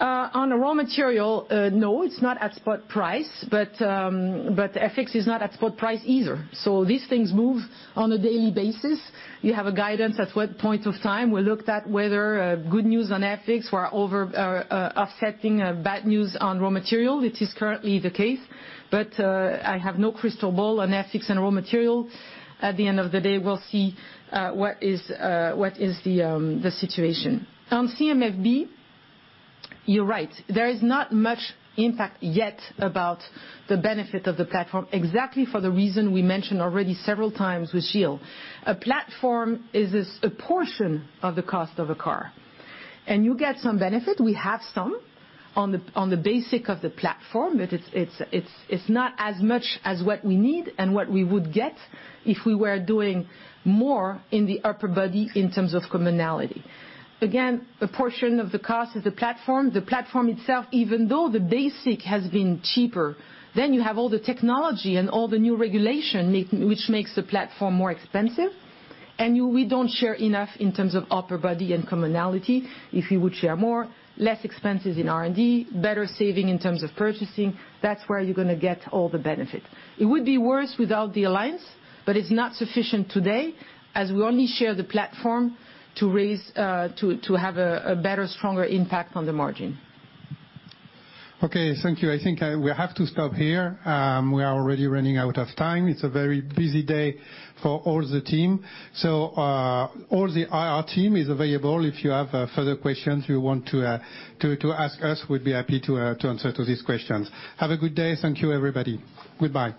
[SPEAKER 2] On the raw material, no, it's not at spot price. FX is not at spot price either. These things move on a daily basis. You have a guidance at what point of time. We looked at whether good news on FX were offsetting bad news on raw material, which is currently the case, but I have no crystal ball on FX and raw material. At the end of the day, we'll see what is the situation. On CMF-B, you're right. There is not much impact yet about the benefit of the platform, exactly for the reason we mentioned already several times with Gilles. A platform is a portion of the cost of a car, and you get some benefit. We have some on the basic of the platform, but it's not as much as what we need and what we would get if we were doing more in the upper body in terms of commonality. Again, a portion of the cost is the platform. The platform itself, even though the basic has been cheaper, then you have all the technology and all the new regulation, which makes the platform more expensive, and we don't share enough in terms of upper body and commonality. If you would share more, less expenses in R&D, better saving in terms of purchasing, that's where you're going to get all the benefit. It would be worse without the Alliance, but it's not sufficient today as we only share the platform to have a better, stronger impact on the margin.
[SPEAKER 1] Okay, thank you. I think we have to stop here. We are already running out of time. It's a very busy day for all the team. All the IR team is available if you have further questions you want to ask us. We'd be happy to answer to these questions. Have a good day. Thank you, everybody. Goodbye.